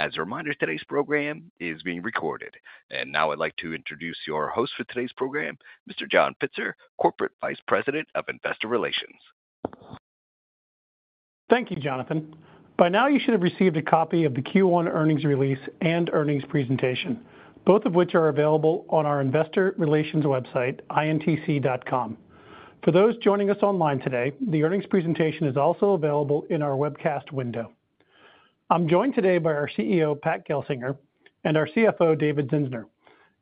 As a reminder, today's program is being recorded. And now I'd like to introduce your host for today's program, Mr. John Pitzer, Corporate Vice President of Investor Relations. Thank you, Jonathan. By now you should have received a copy of the Q1 earnings release and earnings presentation, both of which are available on our investor relations website, intc.com. For those joining us online today, the earnings presentation is also available in our webcast window. I'm joined today by our CEO, Pat Gelsinger, and our CFO, David Zinsner.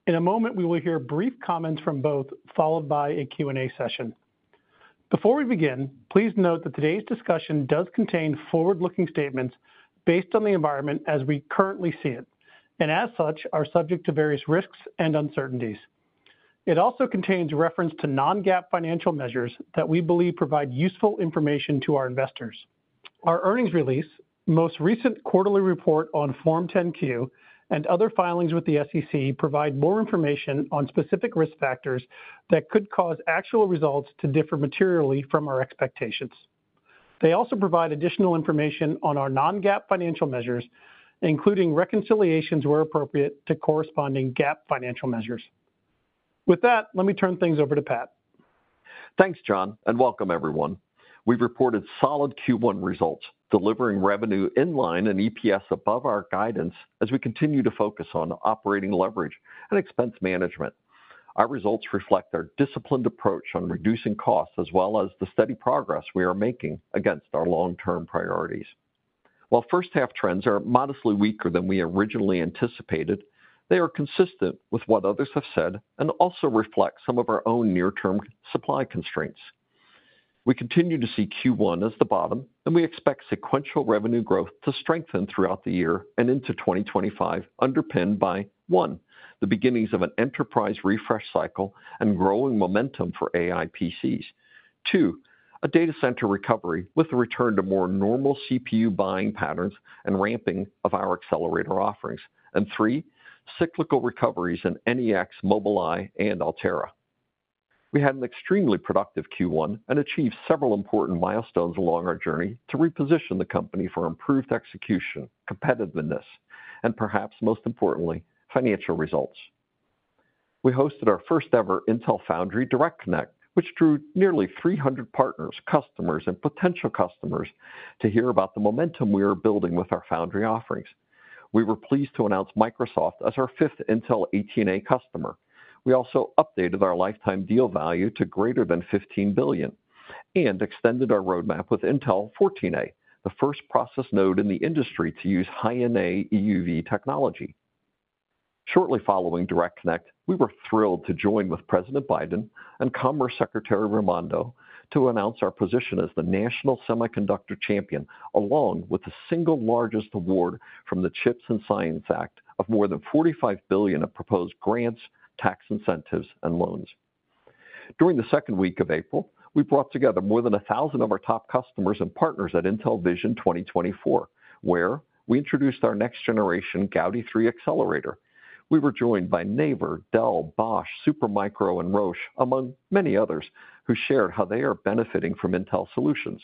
In a moment we will hear brief comments from both, followed by a Q&A session. Before we begin, please note that today's discussion does contain forward-looking statements based on the environment as we currently see it, and as such are subject to various risks and uncertainties. It also contains reference to non-GAAP financial measures that we believe provide useful information to our investors. Our earnings release, most recent quarterly report on Form 10-Q, and other filings with the SEC provide more information on specific risk factors that could cause actual results to differ materially from our expectations. They also provide additional information on our non-GAAP financial measures, including reconciliations where appropriate to corresponding GAAP financial measures. With that, let me turn things over to Pat. Thanks, John, and welcome everyone. We've reported solid Q1 results, delivering revenue in line and EPS above our guidance as we continue to focus on operating leverage and expense management. Our results reflect our disciplined approach on reducing costs as well as the steady progress we are making against our long-term priorities. While first-half trends are modestly weaker than we originally anticipated, they are consistent with what others have said and also reflect some of our own near-term supply constraints. We continue to see Q1 as the bottom, and we expect sequential revenue growth to strengthen throughout the year and into 2025 underpinned by, one, the beginnings of an enterprise refresh cycle and growing momentum for AI PCs; two, a data center recovery with a return to more normal CPU buying patterns and ramping of our accelerator offerings; and three, cyclical recoveries in NEX, Mobileye, and Altera. We had an extremely productive Q1 and achieved several important milestones along our journey to reposition the company for improved execution, competitiveness, and perhaps most importantly, financial results. We hosted our first-ever Intel Foundry Direct Connect, which drew nearly 300 partners, customers, and potential customers to hear about the momentum we were building with our foundry offerings. We were pleased to announce Microsoft as our fifth Intel 18A customer. We also updated our lifetime deal value to greater than $15 billion, and extended our roadmap with Intel 14A, the first process node in the industry to use high-NA EUV technology. Shortly following Direct Connect, we were thrilled to join with President Biden and Commerce Secretary Raimondo to announce our position as the national semiconductor champion along with the single largest award from the CHIPS and Science Act of more than $45 billion of proposed grants, tax incentives, and loans. During the second week of April, we brought together more than 1,000 of our top customers and partners at Intel Vision 2024, where we introduced our next-generation Gaudi 3 accelerator. We were joined by Naver, Dell, Bosch, Supermicro, and Roche, among many others, who shared how they are benefiting from Intel solutions.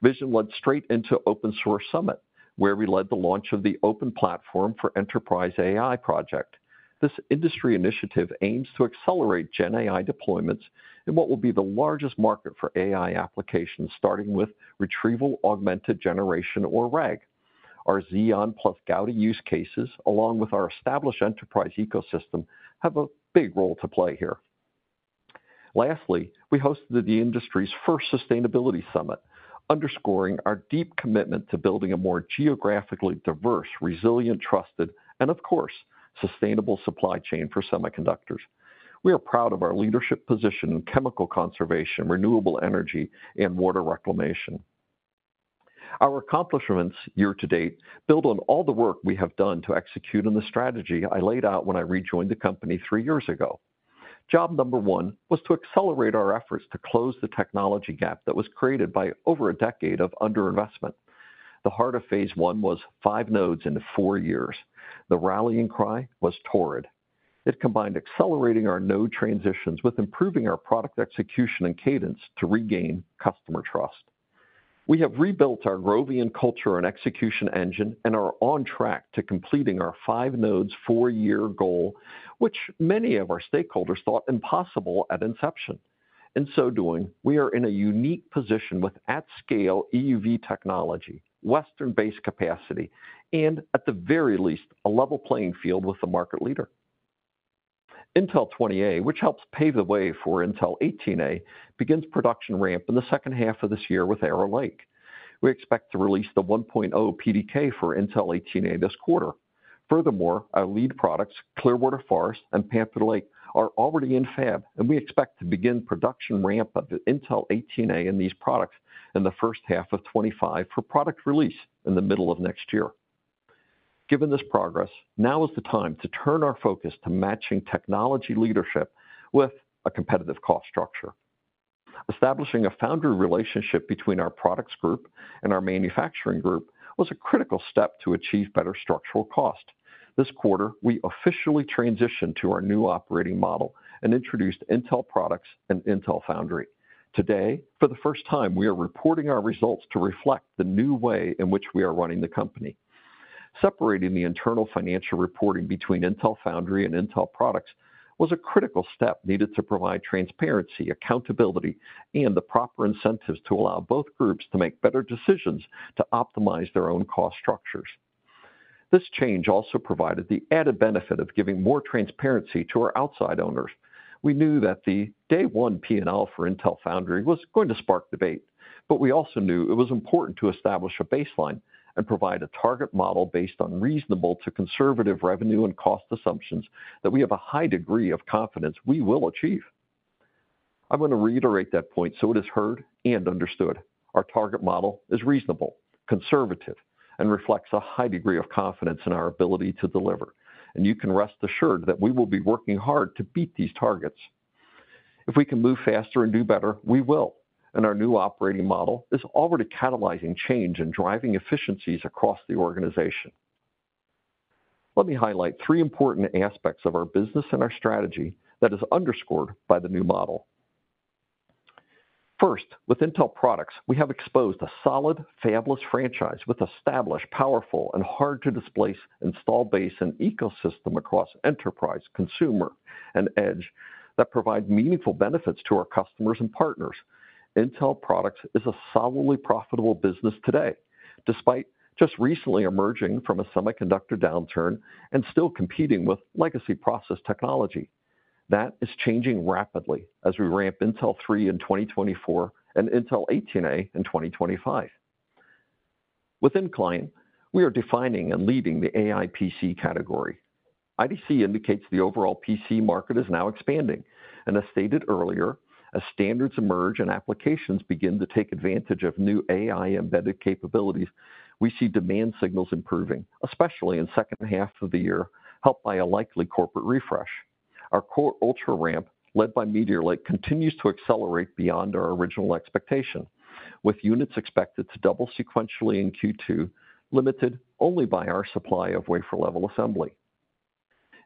Vision led straight into Open Source Summit, where we led the launch of the Open Platform for Enterprise AI project. This industry initiative aims to accelerate Gen AI deployments in what will be the largest market for AI applications starting with retrieval-augmented generation, or RAG. Our Xeon plus Gaudi use cases, along with our established enterprise ecosystem, have a big role to play here. Lastly, we hosted the industry's first Sustainability Summit, underscoring our deep commitment to building a more geographically diverse, resilient, trusted, and of course, sustainable supply chain for semiconductors. We are proud of our leadership position in chemical conservation, renewable energy, and water reclamation. Our accomplishments year to date build on all the work we have done to execute in the strategy I laid out when I rejoined the company three years ago. Job number one was to accelerate our efforts to close the technology gap that was created by over a decade of underinvestment. The heart of phase I was 5-nodes into four years. The rallying cry was torrid. It combined accelerating our node transitions with improving our product execution and cadence to regain customer trust. We have rebuilt our Groveian and execution engine and are on track to completing our 5-nodes, 4-year goal, which many of our stakeholders thought impossible at inception. In so doing, we are in a unique position with at-scale EUV technology, Western-based capacity, and at the very least a level playing field with a market leader. Intel 20A, which helps pave the way for Intel 18A, begins production ramp in the second half of this year with Arrow Lake. We expect to release the 1.0 PDK for Intel 18A this quarter. Furthermore, our lead products, Clearwater Forest and Panther Lake, are already in fab, and we expect to begin production ramp of Intel 18A in these products in the first half of 2025 for product release in the middle of next year. Given this progress, now is the time to turn our focus to matching technology leadership with a competitive cost structure. Establishing a foundry relationship between our products group and our manufacturing group was a critical step to achieve better structural cost. This quarter, we officially transitioned to our new operating model and introduced Intel Products and Intel Foundry. Today, for the first time, we are reporting our results to reflect the new way in which we are running the company. Separating the internal financial reporting between Intel Foundry and Intel Products was a critical step needed to provide transparency, accountability, and the proper incentives to allow both groups to make better decisions to optimize their own cost structures. This change also provided the added benefit of giving more transparency to our outside owners. We knew that the day-one P&L for Intel Foundry was going to spark debate, but we also knew it was important to establish a baseline and provide a target model based on reasonable to conservative revenue and cost assumptions that we have a high degree of confidence we will achieve. I want to reiterate that point so it is heard and understood. Our target model is reasonable, conservative, and reflects a high degree of confidence in our ability to deliver, and you can rest assured that we will be working hard to beat these targets. If we can move faster and do better, we will, and our new operating model is already catalyzing change and driving efficiencies across the organization. Let me highlight three important aspects of our business and our strategy that are underscored by the new model. First, with Intel products, we have exposed a solid, fabless franchise with established, powerful, and hard-to-displace, installed base and ecosystem across enterprise, consumer, and edge that provide meaningful benefits to our customers and partners. Intel products is a solidly profitable business today, despite just recently emerging from a semiconductor downturn and still competing with legacy process technology. That is changing rapidly as we ramp Intel 3 in 2024 and Intel 18A in 2025. With In Client, we are defining and leading the AI PC category. IDC indicates the overall PC market is now expanding, and as stated earlier, as standards emerge and applications begin to take advantage of new AI-embedded capabilities, we see demand signals improving, especially in the second half of the year, helped by a likely corporate refresh. Our Core Ultra ramp, led by Meteor Lake, continues to accelerate beyond our original expectation, with units expected to double sequentially in Q2, limited only by our supply of wafer-level assembly.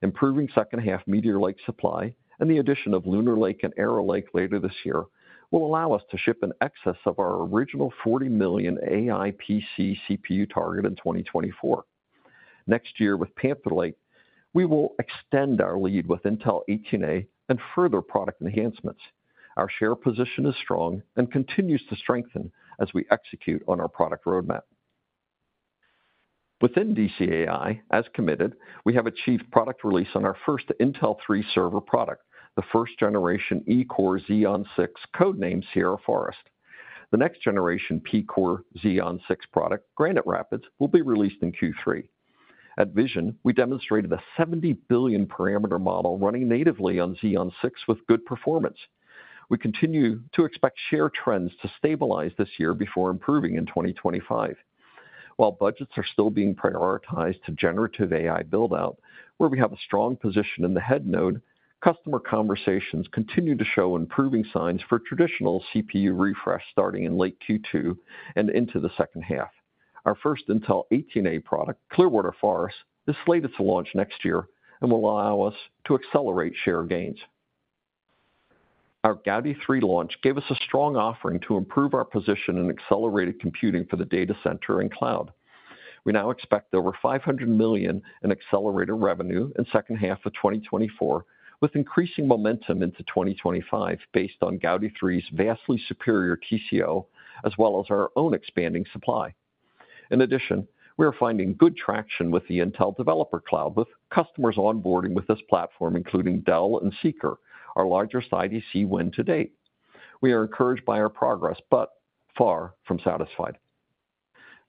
Improving second-half Meteor Lake supply and the addition of Lunar Lake and Arrow Lake later this year will allow us to ship in excess of our original 40 million AI PC CPU target in 2024. Next year, with Panther Lake, we will extend our lead with Intel 18A and further product enhancements. Our share position is strong and continues to strengthen as we execute on our product roadmap. Within DCAI, as committed, we have achieved product release on our first Intel 3 server product, the first-generation E-core Xeon 6 codename Sierra Forest. The next-generation P-core Xeon 6 product, Granite Rapids, will be released in Q3. At Vision, we demonstrated a 70 billion parameter model running natively on Xeon 6 with good performance. We continue to expect share trends to stabilize this year before improving in 2025. While budgets are still being prioritized to generative AI buildout, where we have a strong position in the head node, customer conversations continue to show improving signs for traditional CPU refresh starting in late Q2 and into the second half. Our first Intel 18A product, Clearwater Forest, is slated to launch next year and will allow us to accelerate share gains. Our Gaudi 3 launch gave us a strong offering to improve our position in accelerated computing for the data center and cloud. We now expect over $500 million in accelerator revenue in the second half of 2024, with increasing momentum into 2025 based on Gaudi 3's vastly superior TCO as well as our own expanding supply. In addition, we are finding good traction with the Intel Developer Cloud, with customers onboarding with this platform including Dell and Seekr, our largest IDC win to date. We are encouraged by our progress, but far from satisfied.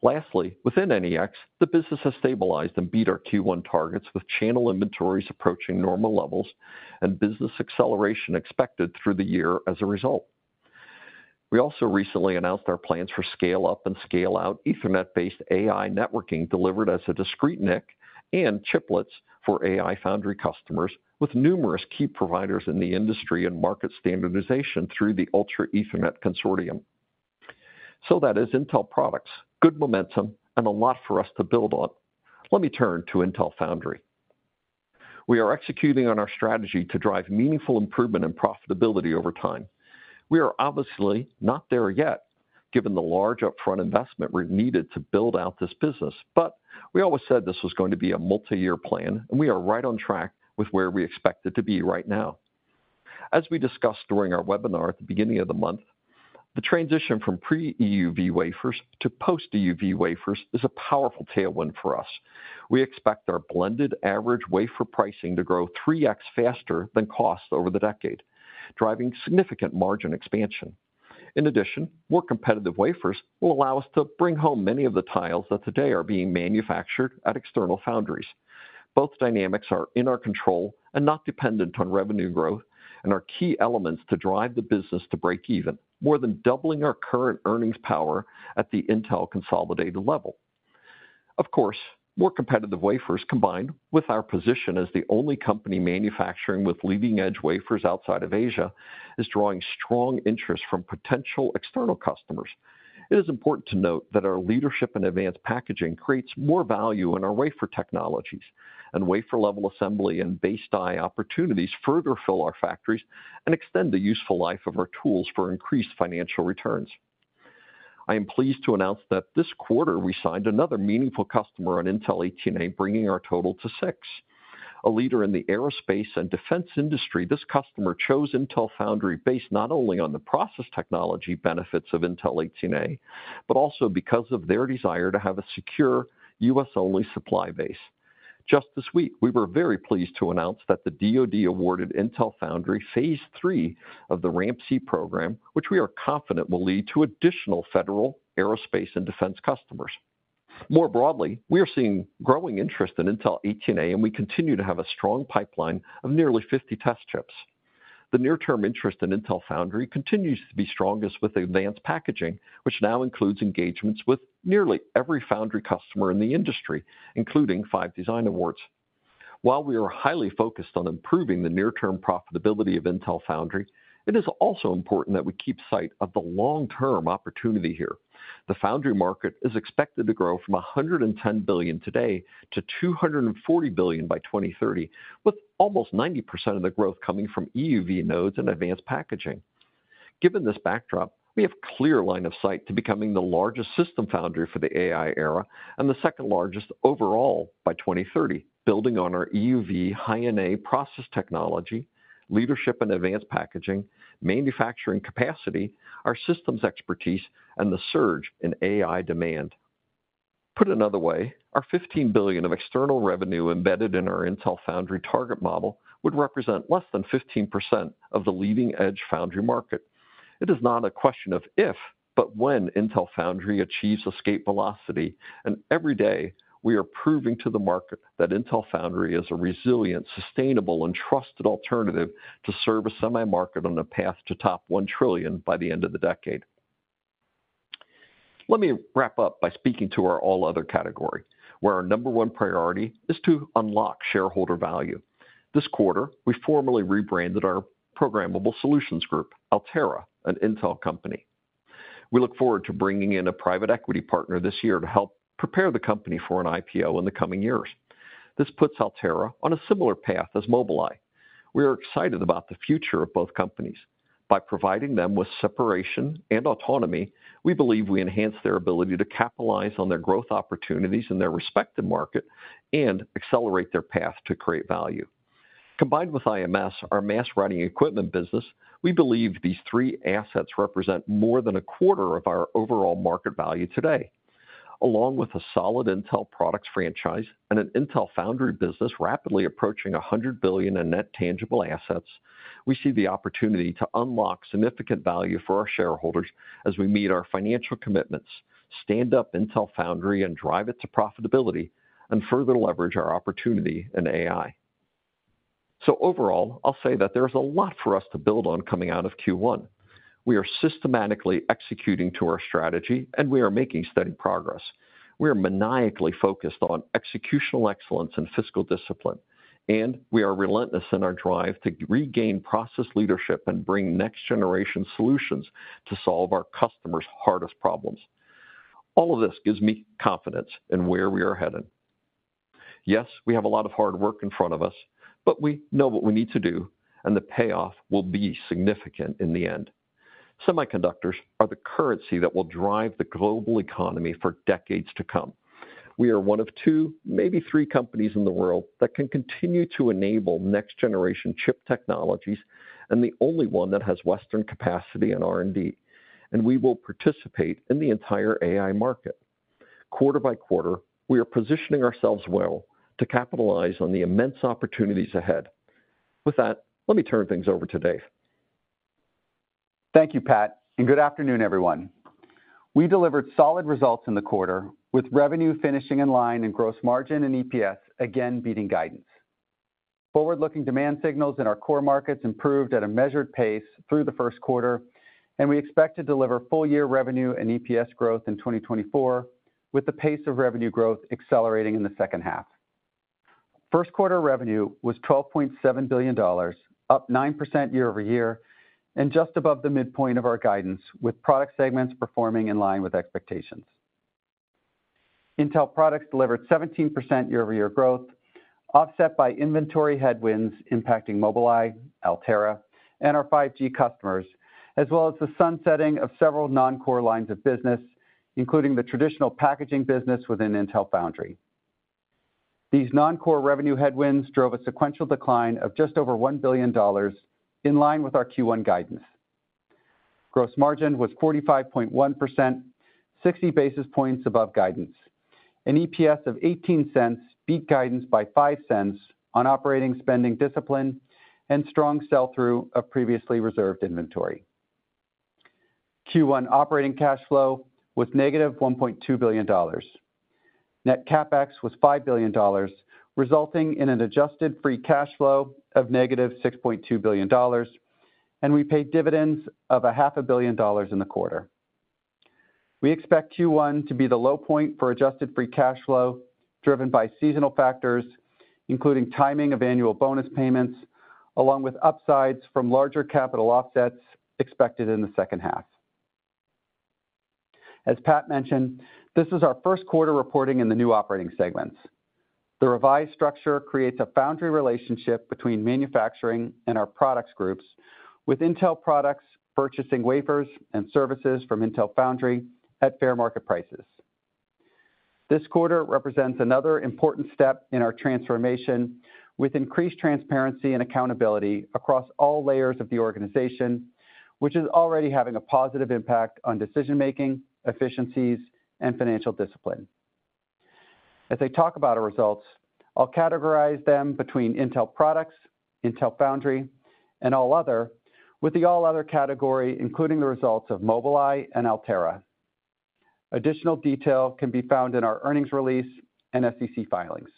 Lastly, within NEX, the business has stabilized and beat our Q1 targets with channel inventories approaching normal levels and business acceleration expected through the year as a result. We also recently announced our plans for scale-up and scale-out Ethernet-based AI networking delivered as a discrete NIC and chiplets for AI foundry customers, with numerous key providers in the industry and market standardization through the Ultra Ethernet Consortium. So that is Intel products, good momentum, and a lot for us to build on. Let me turn to Intel Foundry. We are executing on our strategy to drive meaningful improvement and profitability over time. We are obviously not there yet, given the large upfront investment needed to build out this business, but we always said this was going to be a multi-year plan, and we are right on track with where we expect it to be right now. As we discussed during our webinar at the beginning of the month, the transition from pre-EUV wafers to post-EUV wafers is a powerful tailwind for us. We expect our blended average wafer pricing to grow 3x faster than costs over the decade, driving significant margin expansion. In addition, more competitive wafers will allow us to bring home many of the tiles that today are being manufactured at external foundries. Both dynamics are in our control and not dependent on revenue growth and are key elements to drive the business to break even, more than doubling our current earnings power at the Intel consolidated level. Of course, more competitive wafers combined with our position as the only company manufacturing with leading-edge wafers outside of Asia is drawing strong interest from potential external customers. It is important to note that our leadership in advanced packaging creates more value in our wafer technologies, and wafer-level assembly and base die opportunities further fill our factories and extend the useful life of our tools for increased financial returns. I am pleased to announce that this quarter we signed another meaningful customer on Intel 18A, bringing our total to six. A leader in the aerospace and defense industry, this customer chose Intel Foundry based not only on the process technology benefits of Intel 18A, but also because of their desire to have a secure, U.S.-only supply base. Just this week, we were very pleased to announce that the DoD awarded Intel Foundry phase three of the RAMP-C program, which we are confident will lead to additional federal aerospace and defense customers. More broadly, we are seeing growing interest in Intel 18A, and we continue to have a strong pipeline of nearly 50 test chips. The near-term interest in Intel Foundry continues to be strongest with advanced packaging, which now includes engagements with nearly every foundry customer in the industry, including five design awards. While we are highly focused on improving the near-term profitability of Intel Foundry, it is also important that we keep sight of the long-term opportunity here. The foundry market is expected to grow from $110 billion today to $240 billion by 2030, with almost 90% of the growth coming from EUV nodes and advanced packaging. Given this backdrop, we have a clear line of sight to becoming the largest system foundry for the AI era and the second-largest overall by 2030, building on our EUV high-end process technology, leadership in advanced packaging, manufacturing capacity, our systems expertise, and the surge in AI demand. Put another way, our $15 billion of external revenue embedded in our Intel Foundry target model would represent less than 15% of the leading-edge foundry market. It is not a question of if, but when Intel Foundry achieves escape velocity, and every day we are proving to the market that Intel Foundry is a resilient, sustainable, and trusted alternative to serve a semi-market on a path to top $1 trillion by the end of the decade. Let me wrap up by speaking to our all-other category, where our number one priority is to unlock shareholder value. This quarter, we formally rebranded our Programmable Solutions Group, Altera, an Intel company. We look forward to bringing in a private equity partner this year to help prepare the company for an IPO in the coming years. This puts Altera on a similar path as Mobileye. We are excited about the future of both companies. By providing them with separation and autonomy, we believe we enhance their ability to capitalize on their growth opportunities in their respective market and accelerate their path to create value. Combined with IMS, our mask-writing equipment business, we believe these three assets represent more than a quarter of our overall market value today. Along with a solid Intel products franchise and an Intel Foundry business rapidly approaching $100 billion in net tangible assets, we see the opportunity to unlock significant value for our shareholders as we meet our financial commitments, stand up Intel Foundry and drive it to profitability, and further leverage our opportunity in AI. So overall, I'll say that there is a lot for us to build on coming out of Q1. We are systematically executing to our strategy, and we are making steady progress. We are maniacally focused on executional excellence and fiscal discipline, and we are relentless in our drive to regain process leadership and bring next-generation solutions to solve our customers' hardest problems. All of this gives me confidence in where we are heading. Yes, we have a lot of hard work in front of us, but we know what we need to do, and the payoff will be significant in the end. Semiconductors are the currency that will drive the global economy for decades to come. We are one of two, maybe three companies in the world that can continue to enable next-generation chip technologies and the only one that has Western capacity and R&D, and we will participate in the entire AI market. Quarter by quarter, we are positioning ourselves well to capitalize on the immense opportunities ahead. With that, let me turn things over to Dave. Thank you, Pat, and good afternoon, everyone. We delivered solid results in the quarter, with revenue finishing in line and gross margin and EPS again beating guidance. Forward-looking demand signals in our core markets improved at a measured pace through the first quarter, and we expect to deliver full-year revenue and EPS growth in 2024, with the pace of revenue growth accelerating in the second half. First-quarter revenue was $12.7 billion, up 9% year-over-year, and just above the midpoint of our guidance, with product segments performing in line with expectations. Intel products delivered 17% year-over-year growth, offset by inventory headwinds impacting Mobileye, Altera, and our 5G customers, as well as the sunsetting of several non-core lines of business, including the traditional packaging business within Intel Foundry. These non-core revenue headwinds drove a sequential decline of just over $1 billion in line with our Q1 guidance. Gross margin was 45.1%, 60 basis points above guidance. An EPS of $0.18 beat guidance by $0.05 on operating spending discipline and strong sell-through of previously reserved inventory. Q1 operating cash flow was -$1.2 billion. Net CapEx was $5 billion, resulting in an adjusted free cash flow of -$6.2 billion, and we paid dividends of $500 million in the quarter. We expect Q1 to be the low point for adjusted free cash flow driven by seasonal factors, including timing of annual bonus payments, along with upsides from larger capital offsets expected in the second half. As Pat mentioned, this is our first quarter reporting in the new operating segments. The revised structure creates a foundry relationship between manufacturing and our products groups, with Intel products purchasing wafers and services from Intel Foundry at fair market prices. This quarter represents another important step in our transformation, with increased transparency and accountability across all layers of the organization, which is already having a positive impact on decision-making, efficiencies, and financial discipline. As I talk about our results, I'll categorize them between Intel Products, Intel Foundry, and all other, with the all-other category including the results of Mobileye and Altera. Additional detail can be found in our earnings release and SEC filings.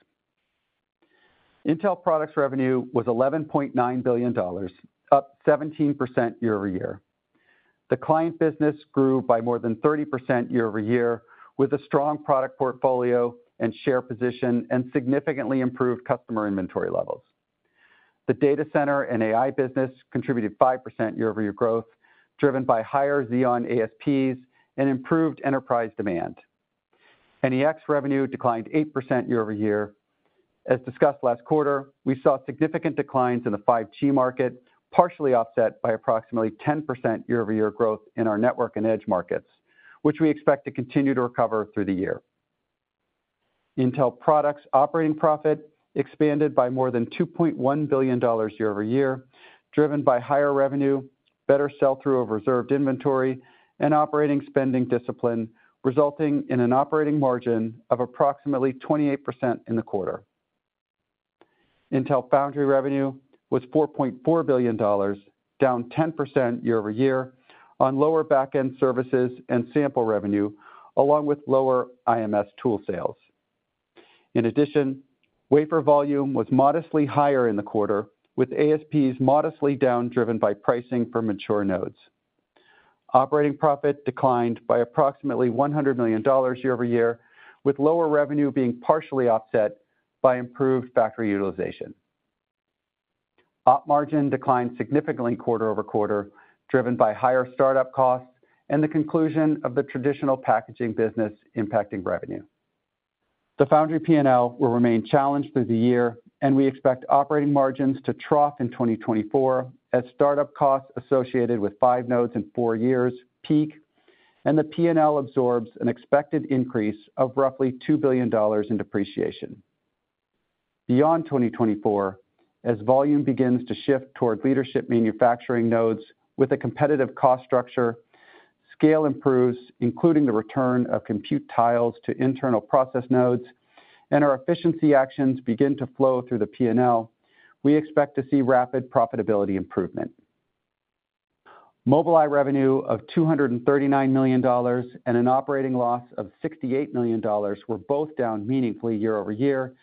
Intel Products revenue was $11.9 billion, up 17% year-over-year. The client business grew by more than 30% year-over-year, with a strong product portfolio and share position and significantly improved customer inventory levels. The data center and AI business contributed 5% year-over-year growth, driven by higher Xeon ASPs and improved enterprise demand. NEX revenue declined 8% year-over-year. As discussed last quarter, we saw significant declines in the 5G market, partially offset by approximately 10% year-over-year growth in our network and edge markets, which we expect to continue to recover through the year. Intel products operating profit expanded by more than $2.1 billion year-over-year, driven by higher revenue, better sell-through of reserved inventory, and operating spending discipline, resulting in an operating margin of approximately 28% in the quarter. Intel foundry revenue was $4.4 billion, down 10% year-over-year on lower back-end services and sample revenue, along with lower IMS tool sales. In addition, wafer volume was modestly higher in the quarter, with ASPs modestly down driven by pricing for mature nodes. Operating profit declined by approximately $100 million year-over-year, with lower revenue being partially offset by improved factory utilization. Op margin declined significantly quarter-over-quarter, driven by higher startup costs and the conclusion of the traditional packaging business impacting revenue. The foundry P&L will remain challenged through the year, and we expect operating margins to trough in 2024 as startup costs associated with five nodes in four years peak, and the P&L absorbs an expected increase of roughly $2 billion in depreciation. Beyond 2024, as volume begins to shift toward leadership manufacturing nodes with a competitive cost structure, scale improves, including the return of compute tiles to internal process nodes, and our efficiency actions begin to flow through the P&L, we expect to see rapid profitability improvement. Mobileye revenue of $239 million and an operating loss of $68 million were both down meaningfully year-over-year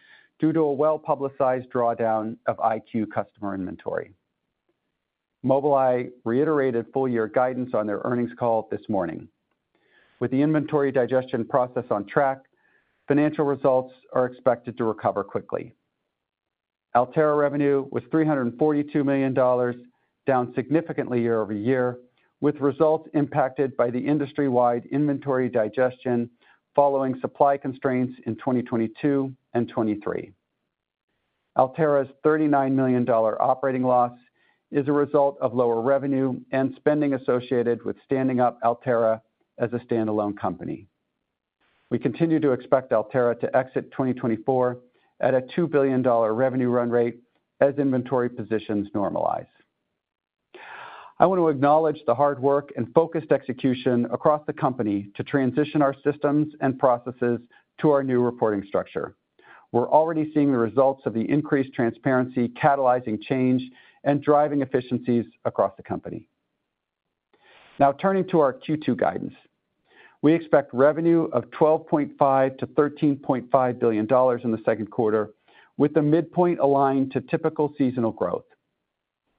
due to a well-publicized drawdown of EyeQ customer inventory. Mobileye reiterated full-year guidance on their earnings call this morning. With the inventory digestion process on track, financial results are expected to recover quickly. Altera revenue was $342 million, down significantly year-over-year, with results impacted by the industry-wide inventory digestion following supply constraints in 2022 and 2023. Altera's $39 million operating loss is a result of lower revenue and spending associated with standing up Altera as a standalone company. We continue to expect Altera to exit 2024 at a $2 billion revenue run rate as inventory positions normalize. I want to acknowledge the hard work and focused execution across the company to transition our systems and processes to our new reporting structure. We're already seeing the results of the increased transparency catalyzing change and driving efficiencies across the company. Now, turning to our Q2 guidance. We expect revenue of $12.5 billion-$13.5 billion in the second quarter, with the midpoint aligned to typical seasonal growth.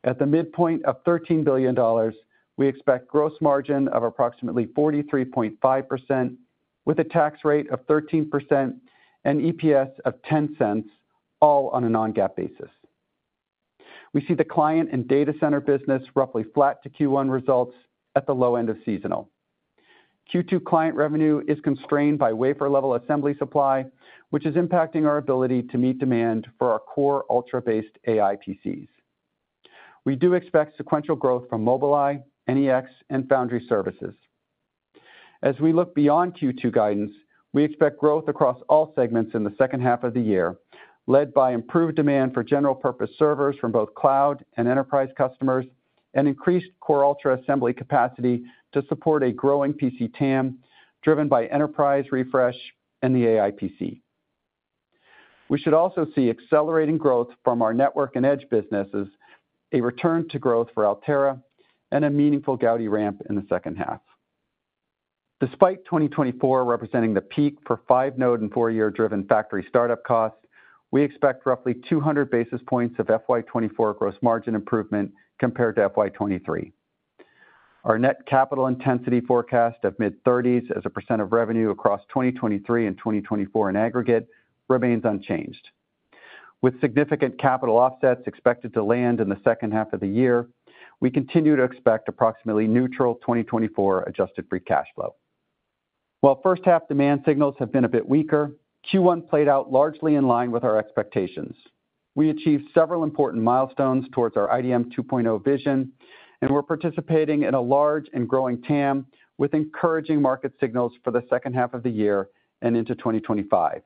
At the midpoint of $13 billion, we expect gross margin of approximately 43.5%, with a tax rate of 13% and EPS of $0.10, all on a non-GAAP basis. We see the client and data center business roughly flat to Q1 results at the low end of seasonal. Q2 client revenue is constrained by wafer-level assembly supply, which is impacting our ability to meet demand for our Core Ultra-based AI PCs. We do expect sequential growth from Mobileye, NEX, and foundry services. As we look beyond Q2 guidance, we expect growth across all segments in the second half of the year, led by improved demand for general-purpose servers from both cloud and enterprise customers, and increased Core Ultra-assembly capacity to support a growing PC TAM driven by enterprise refresh and the AI PC. We should also see accelerating growth from our network and edge businesses, a return to growth for Altera, and a meaningful Gaudi ramp in the second half. Despite 2024 representing the peak for five-node and four-year driven factory startup costs, we expect roughly 200 basis points of FY 2024 gross margin improvement compared to FY 2023. Our net capital intensity forecast of mid-30s% of revenue across 2023 and 2024 in aggregate remains unchanged. With significant capital offsets expected to land in the second half of the year, we continue to expect approximately neutral 2024 adjusted free cash flow. While first-half demand signals have been a bit weaker, Q1 played out largely in line with our expectations. We achieved several important milestones towards our IDM 2.0 vision, and we're participating in a large and growing TAM with encouraging market signals for the second half of the year and into 2025.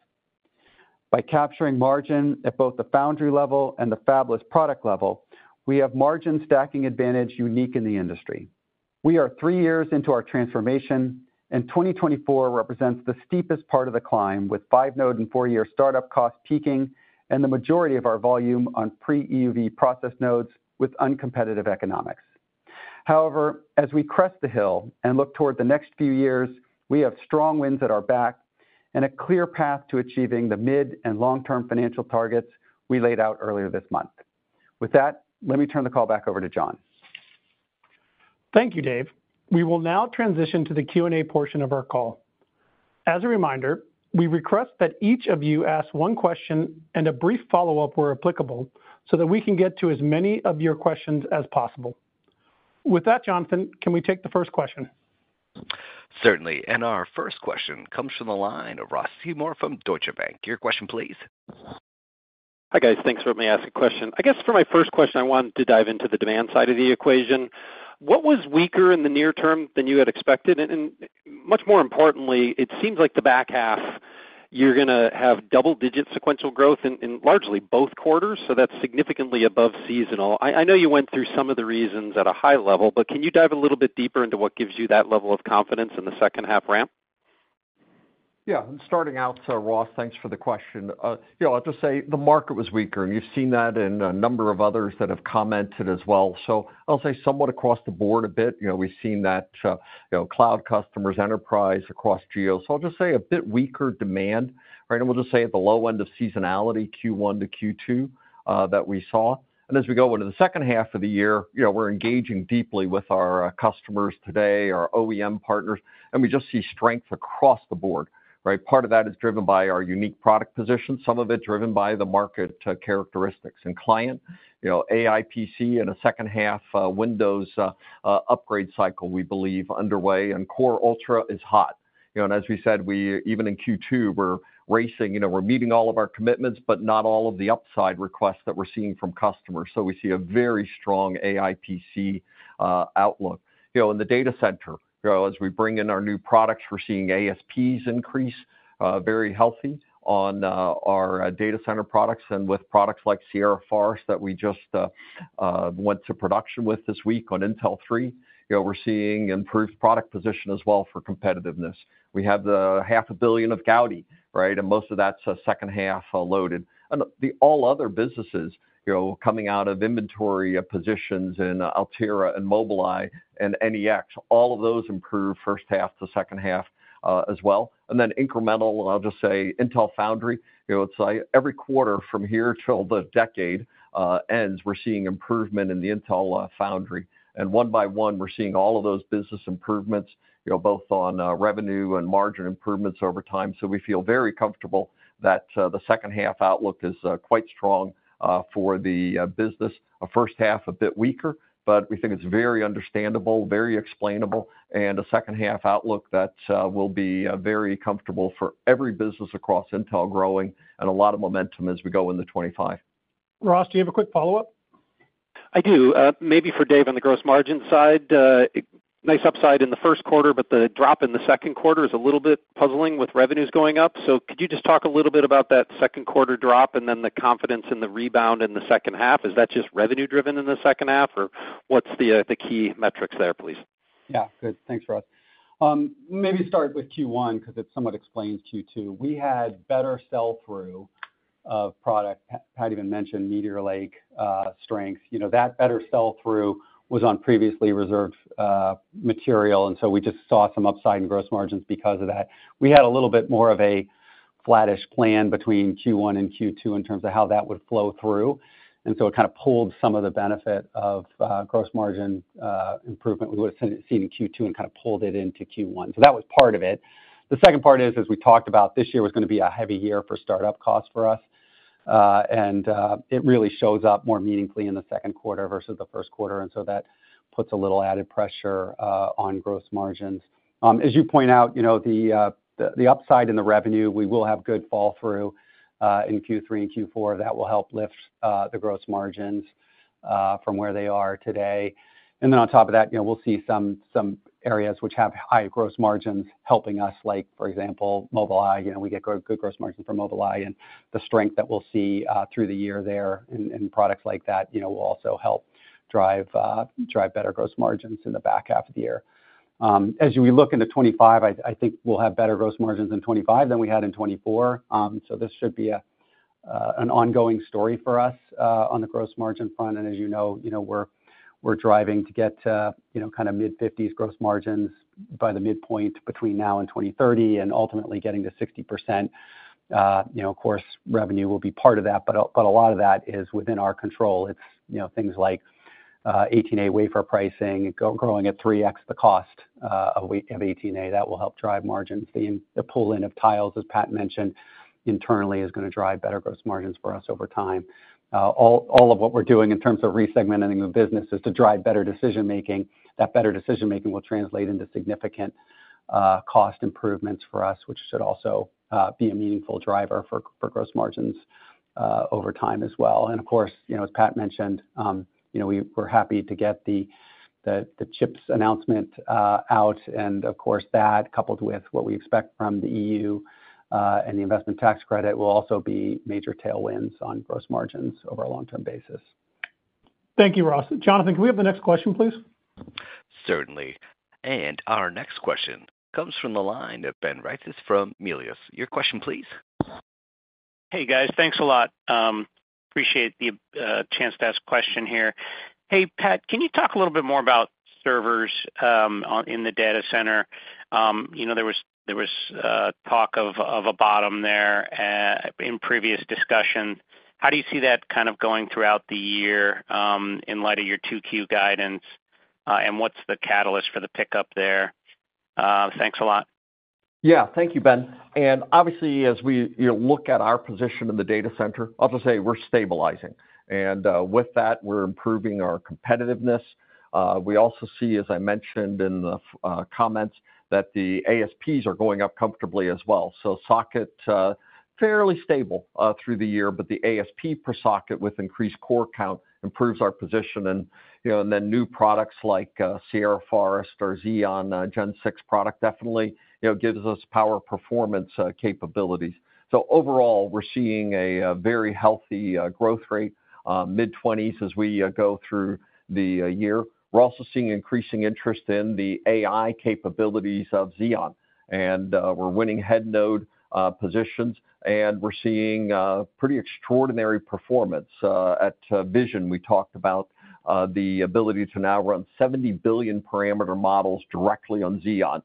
By capturing margin at both the foundry level and the Fabless product level, we have margin stacking advantage unique in the industry. We are three years into our transformation, and 2024 represents the steepest part of the climb with five-node and four-year startup costs peaking and the majority of our volume on pre-EUV process nodes with uncompetitive economics. However, as we crest the hill and look toward the next few years, we have strong winds at our back and a clear path to achieving the mid and long-term financial targets we laid out earlier this month. With that, let me turn the call back over to John. Thank you, Dave. We will now transition to the Q&A portion of our call. As a reminder, we request that each of you ask one question and a brief follow-up where applicable so that we can get to as many of your questions as possible. With that, Jonathan, can we take the first question? Certainly. And our first question comes from the line of Ross Seymore from Deutsche Bank. Your question, please. Hi guys. Thanks for letting me ask a question. I guess for my first question, I wanted to dive into the demand side of the equation. What was weaker in the near term than you had expected? And much more importantly, it seems like the back half, you're going to have double-digit sequential growth in largely both quarters, so that's significantly above seasonal. I know you went through some of the reasons at a high level, but can you dive a little bit deeper into what gives you that level of confidence in the second-half ramp? Yeah. And starting out, Ross, thanks for the question. I'll just say the market was weaker, and you've seen that in a number of others that have commented as well. So I'll say somewhat across the board a bit. We've seen that cloud customers, enterprise, across geo. So I'll just say a bit weaker demand, right? And we'll just say at the low end of seasonality, Q1 to Q2 that we saw. And as we go into the second half of the year, we're engaging deeply with our customers today, our OEM partners, and we just see strength across the board, right? Part of that is driven by our unique product position, some of it driven by the market characteristics and client. AI PC in a second-half Windows upgrade cycle, we believe, underway, and Core Ultra is hot. And as we said, even in Q2, we're racing. We're meeting all of our commitments, but not all of the upside requests that we're seeing from customers. So we see a very strong AI PC outlook. In the data center, as we bring in our new products, we're seeing ASPs increase, very healthy on our data center products and with products like Sierra Forest that we just went to production with this week on Intel 3. We're seeing improved product position as well for competitiveness. We have the $500 million of Gaudi, right? And most of that's second-half loaded. And all other businesses coming out of inventory positions in Altera and Mobileye and NEX, all of those improve first half to second half as well. And then incremental, I'll just say, Intel Foundry. It's like every quarter from here till the decade ends, we're seeing improvement in the Intel Foundry. And one by one, we're seeing all of those business improvements, both on revenue and margin improvements over time. So we feel very comfortable that the second-half outlook is quite strong for the business. A first half, a bit weaker, but we think it's very understandable, very explainable, and a second-half outlook that will be very comfortable for every business across Intel growing and a lot of momentum as we go into 2025. Ross, do you have a quick follow-up? I do. Maybe for Dave on the gross margin side, nice upside in the first quarter, but the drop in the second quarter is a little bit puzzling with revenues going up. So could you just talk a little bit about that second quarter drop and then the confidence in the rebound in the second half? Is that just revenue-driven in the second half, or what's the key metrics there, please? Yeah. Good. Thanks, Ross. Maybe start with Q1 because it somewhat explains Q2. We had better sell-through of product, Pat even mentioned Meteor Lake strength. That better sell-through was on previously reserved material, and so we just saw some upside in gross margins because of that. We had a little bit more of a flat-ish plan between Q1 and Q2 in terms of how that would flow through. So it kind of pulled some of the benefit of gross margin improvement we would have seen in Q2 and kind of pulled it into Q1. That was part of it. The second part is, as we talked about, this year was going to be a heavy year for startup costs for us, and it really shows up more meaningfully in the second quarter versus the first quarter. So that puts a little added pressure on gross margins. As you point out, the upside in the revenue, we will have good fall-through in Q3 and Q4. That will help lift the gross margins from where they are today. Then on top of that, we'll see some areas which have high gross margins helping us, like for example, Mobileye. We get good gross margins from Mobileye, and the strength that we'll see through the year there in products like that will also help drive better gross margins in the back half of the year. As we look into 2025, I think we'll have better gross margins in 2025 than we had in 2024. This should be an ongoing story for us on the gross margin front. As you know, we're driving to get kind of mid-50s gross margins by the midpoint between now and 2030 and ultimately getting to 60%. Of course, revenue will be part of that, but a lot of that is within our control. It's things like 18A wafer pricing growing at 3x the cost of 18A. That will help drive margins. The pull-in of tiles, as Pat mentioned internally, is going to drive better gross margins for us over time. All of what we're doing in terms of resegmenting the business is to drive better decision-making. That better decision-making will translate into significant cost improvements for us, which should also be a meaningful driver for gross margins over time as well. Of course, as Pat mentioned, we were happy to get the CHIPS announcement out, and of course, that coupled with what we expect from the EU and the investment tax credit will also be major tailwinds on gross margins over a long-term basis. Thank you, Ross. Jonathan, can we have the next question, please? Certainly. Our next question comes from the line of Ben Reitzes from Melius Research. Your question, please. Hey guys. Thanks a lot. Appreciate the chance to ask a question here. Hey Pat, can you talk a little bit more about servers in the data center? There was talk of a bottom there in previous discussions. How do you see that kind of going throughout the year in light of your 2Q guidance, and what's the catalyst for the pickup there? Thanks a lot. Yeah. Thank you, Ben. And obviously, as you look at our position in the data center, I'll just say we're stabilizing. And with that, we're improving our competitiveness. We also see, as I mentioned in the comments, that the ASPs are going up comfortably as well. So Socket, fairly stable through the year, but the ASP per Socket with increased core count improves our position. And then new products like Sierra Forest or Xeon 6 product definitely gives us power performance capabilities. So overall, we're seeing a very healthy growth rate, mid-20s as we go through the year. We're also seeing increasing interest in the AI capabilities of Xeon. We're winning head-node positions, and we're seeing pretty extraordinary performance. At Vision, we talked about the ability to now run 70 billion parameter models directly on Xeon.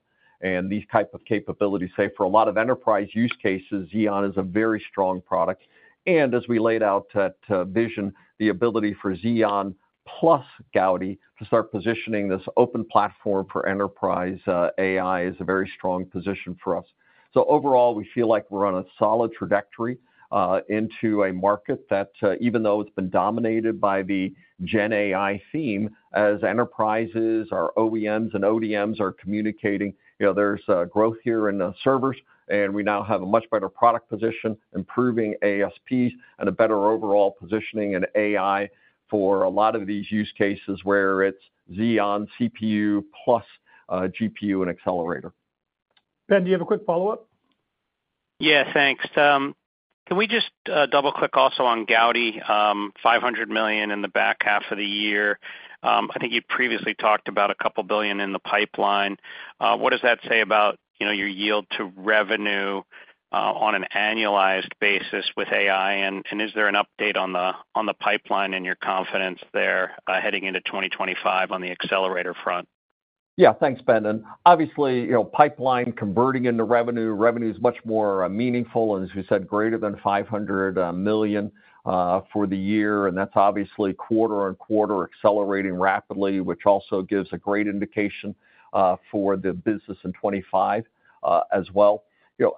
These types of capabilities, say for a lot of enterprise use cases, Xeon is a very strong product. As we laid out at Vision, the ability for Xeon plus Gaudi to start positioning this open platform for enterprise AI is a very strong position for us. So overall, we feel like we're on a solid trajectory into a market that, even though it's been dominated by the Gen AI theme, as enterprises, our OEMs and ODMs are communicating, there's growth here in servers, and we now have a much better product position, improving ASPs and a better overall positioning in AI for a lot of these use cases where it's Xeon CPU plus GPU and accelerator. Ben, do you have a quick follow-up? Yeah. Thanks. Can we just double-click also on Gaudi, $500 million in the back half of the year? I think you previously talked about a couple billion in the pipeline. What does that say about your yield to revenue on an annualized basis with AI? And is there an update on the pipeline and your confidence there heading into 2025 on the accelerator front? Yeah. Thanks, Ben. And obviously, pipeline converting into revenue, revenue is much more meaningful and, as we said, greater than $500 million for the year. And that's obviously quarter-on-quarter accelerating rapidly, which also gives a great indication for the business in 2025 as well.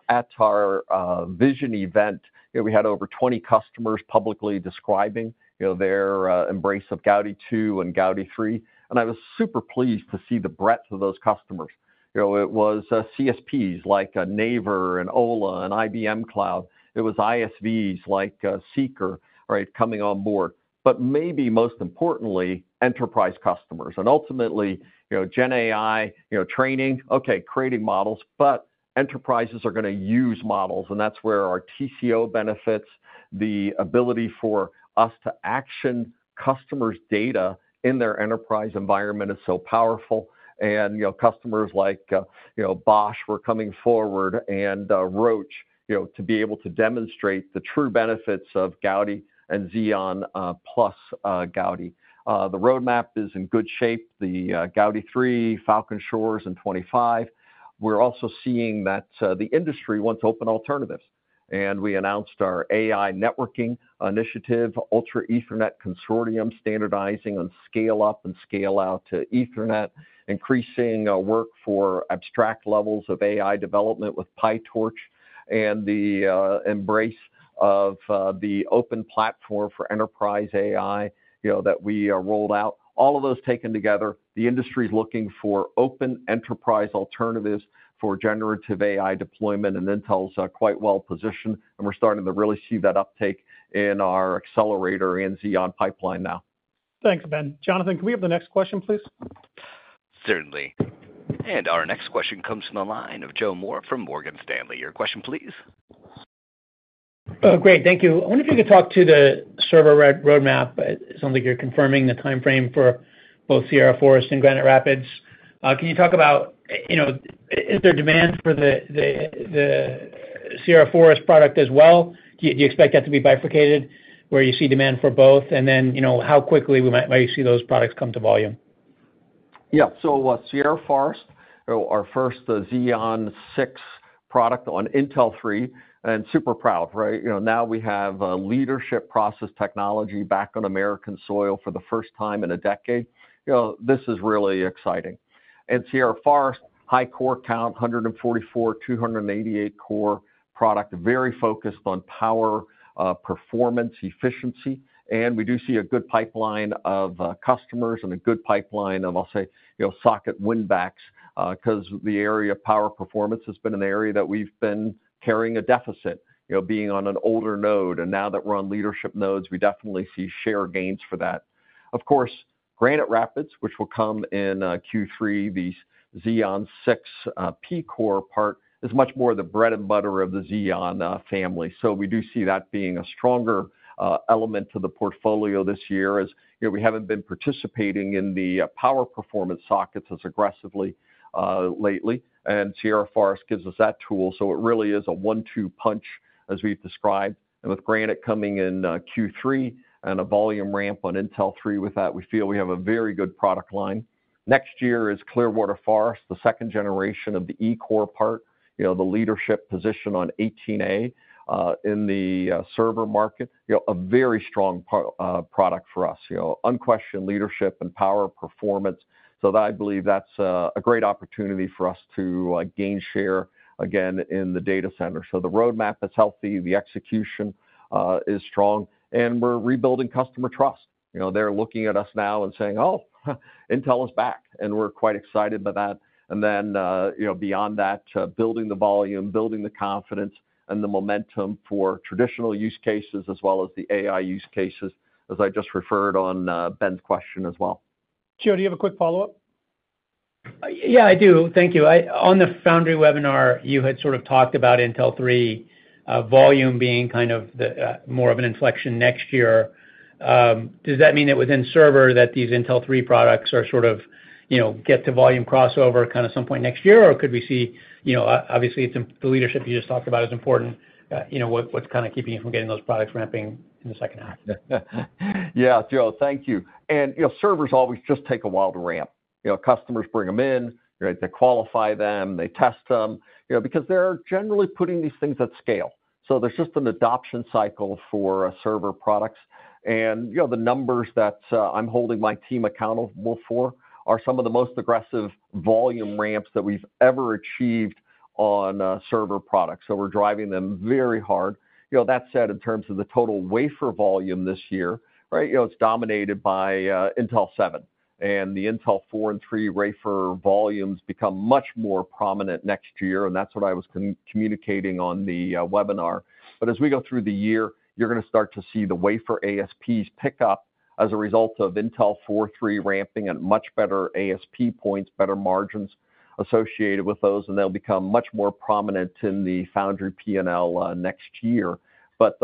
At our Vision event, we had over 20 customers publicly describing their embrace of Gaudi 2 and Gaudi 3. And I was super pleased to see the breadth of those customers. It was CSPs like Naver and Ola and IBM Cloud. It was ISVs like Seekr, right, coming on board. But maybe most importantly, enterprise customers. And ultimately, Gen AI training, okay, creating models, but enterprises are going to use models. And that's where our TCO benefits, the ability for us to action customers' data in their enterprise environment is so powerful. And customers like Bosch were coming forward and Roche to be able to demonstrate the true benefits of Gaudi and Xeon plus Gaudi. The roadmap is in good shape. The Gaudi 3, Falcon Shores in 2025. We're also seeing that the industry wants open alternatives. And we announced our AI networking initiative, Ultra Ethernet Consortium, standardizing on scale-up and scale-out to Ethernet, increasing work for abstract levels of AI development with PyTorch and the embrace of the open platform for enterprise AI that we rolled out. All of those taken together, the industry is looking for open enterprise alternatives for generative AI deployment, and Intel's quite well positioned. And we're starting to really see that uptake in our accelerator and Xeon pipeline now. Thanks, Ben. Jonathan, can we have the next question, please? Certainly. And our next question comes from the line of Joe Moore from Morgan Stanley. Your question, please. Great. Thank you. I wonder if you could talk to the server roadmap. It sounds like you're confirming the timeframe for both Sierra Forest and Granite Rapids. Can you talk about is there demand for the Sierra Forest product as well? Do you expect that to be bifurcated where you see demand for both? And then how quickly might you see those products come to volume? Yeah. So Sierra Forest, our first Xeon 6 product on Intel 3, and super proud, right? Now we have leadership process technology back on American soil for the first time in a decade. This is really exciting. Sierra Forest, high core count, 144, 288-core product, very focused on power, performance, efficiency. We do see a good pipeline of customers and a good pipeline of, I'll say, socket winbacks because the area power performance has been an area that we've been carrying a deficit, being on an older node. Now that we're on leadership nodes, we definitely see share gains for that. Of course, Granite Rapids, which will come in Q3, these Xeon 6 P-core part is much more the bread and butter of the Xeon family. So we do see that being a stronger element to the portfolio this year as we haven't been participating in the power performance sockets as aggressively lately. Sierra Forest gives us that tool. So it really is a one-two punch as we've described. With Granite coming in Q3 and a volume ramp on Intel 3 with that, we feel we have a very good product line. Next year is Clearwater Forest, the second generation of the E-core part, the leadership position on 18A in the server market, a very strong product for us, unquestioned leadership and power performance. So I believe that's a great opportunity for us to gain share again in the data center. So the roadmap is healthy. The execution is strong. We're rebuilding customer trust. They're looking at us now and saying, "Oh, Intel is back." We're quite excited by that. Then beyond that, building the volume, building the confidence, and the momentum for traditional use cases as well as the AI use cases, as I just referred on Ben's question as well. Joe, do you have a quick follow-up? Yeah, I do. Thank you. On the Foundry webinar, you had sort of talked about Intel 3 volume being kind of more of an inflection next year. Does that mean that within server that these Intel 3 products sort of get to volume crossover kind of some point next year, or could we see obviously, the leadership you just talked about is important. What's kind of keeping you from getting those products ramping in the second half? Yeah. Joe, thank you. And servers always just take a while to ramp. Customers bring them in, they qualify them, they test them because they're generally putting these things at scale. So there's just an adoption cycle for server products. And the numbers that I'm holding my team accountable for are some of the most aggressive volume ramps that we've ever achieved on server products. So we're driving them very hard. That said, in terms of the total wafer volume this year, it's dominated by Intel 7. And the Intel 4 and 3 wafer volumes become much more prominent next year. And that's what I was communicating on the webinar. But as we go through the year, you're going to start to see the wafer ASPs pick up as a result of Intel 4, 3 ramping and much better ASP points, better margins associated with those. And they'll become much more prominent in the Foundry P&L next year. But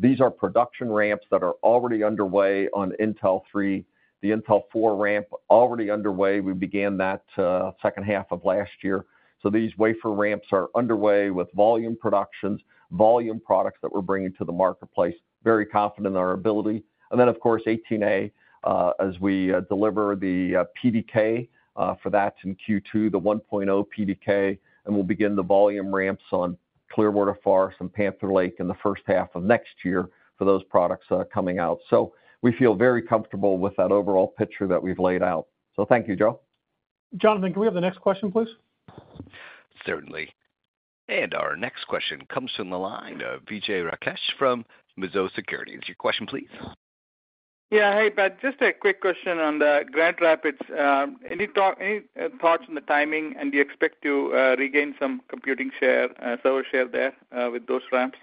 these are production ramps that are already underway on Intel 3, the Intel 4 ramp already underway. We began that second half of last year. So these wafer ramps are underway with volume productions, volume products that we're bringing to the marketplace, very confident in our ability. And then, of course, 18A as we deliver the PDK for that in Q2, the 1.0 PDK, and we'll begin the volume ramps on Clearwater Forest and Panther Lake in the first half of next year for those products coming out. So we feel very comfortable with that overall picture that we've laid out. So thank you, Joe. Jonathan, can we have the next question, please? Certainly. And our next question comes from the line of Vijay Rakesh from Mizuho Securities. Your question, please. Yeah. Hey, Ben. Just a quick question on the Granite Rapids. Any thoughts on the timing? And do you expect to regain some computing share, server share there with those ramps?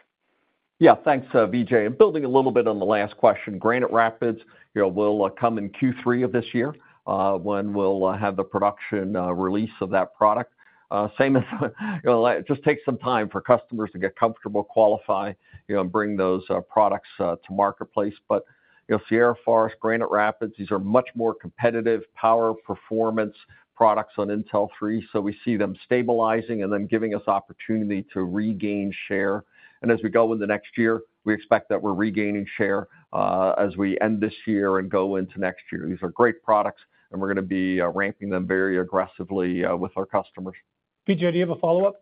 Yeah. Thanks, Vijay. And building a little bit on the last question, Granite Rapids will come in Q3 of this year when we'll have the production release of that product. Same as it just takes some time for customers to get comfortable, qualify, and bring those products to marketplace. But Sierra Forest, Granite Rapids, these are much more competitive, power performance products on Intel 3. So we see them stabilizing and then giving us opportunity to regain share. And as we go into next year, we expect that we're regaining share as we end this year and go into next year. These are great products, and we're going to be ramping them very aggressively with our customers. Vijay, do you have a follow-up?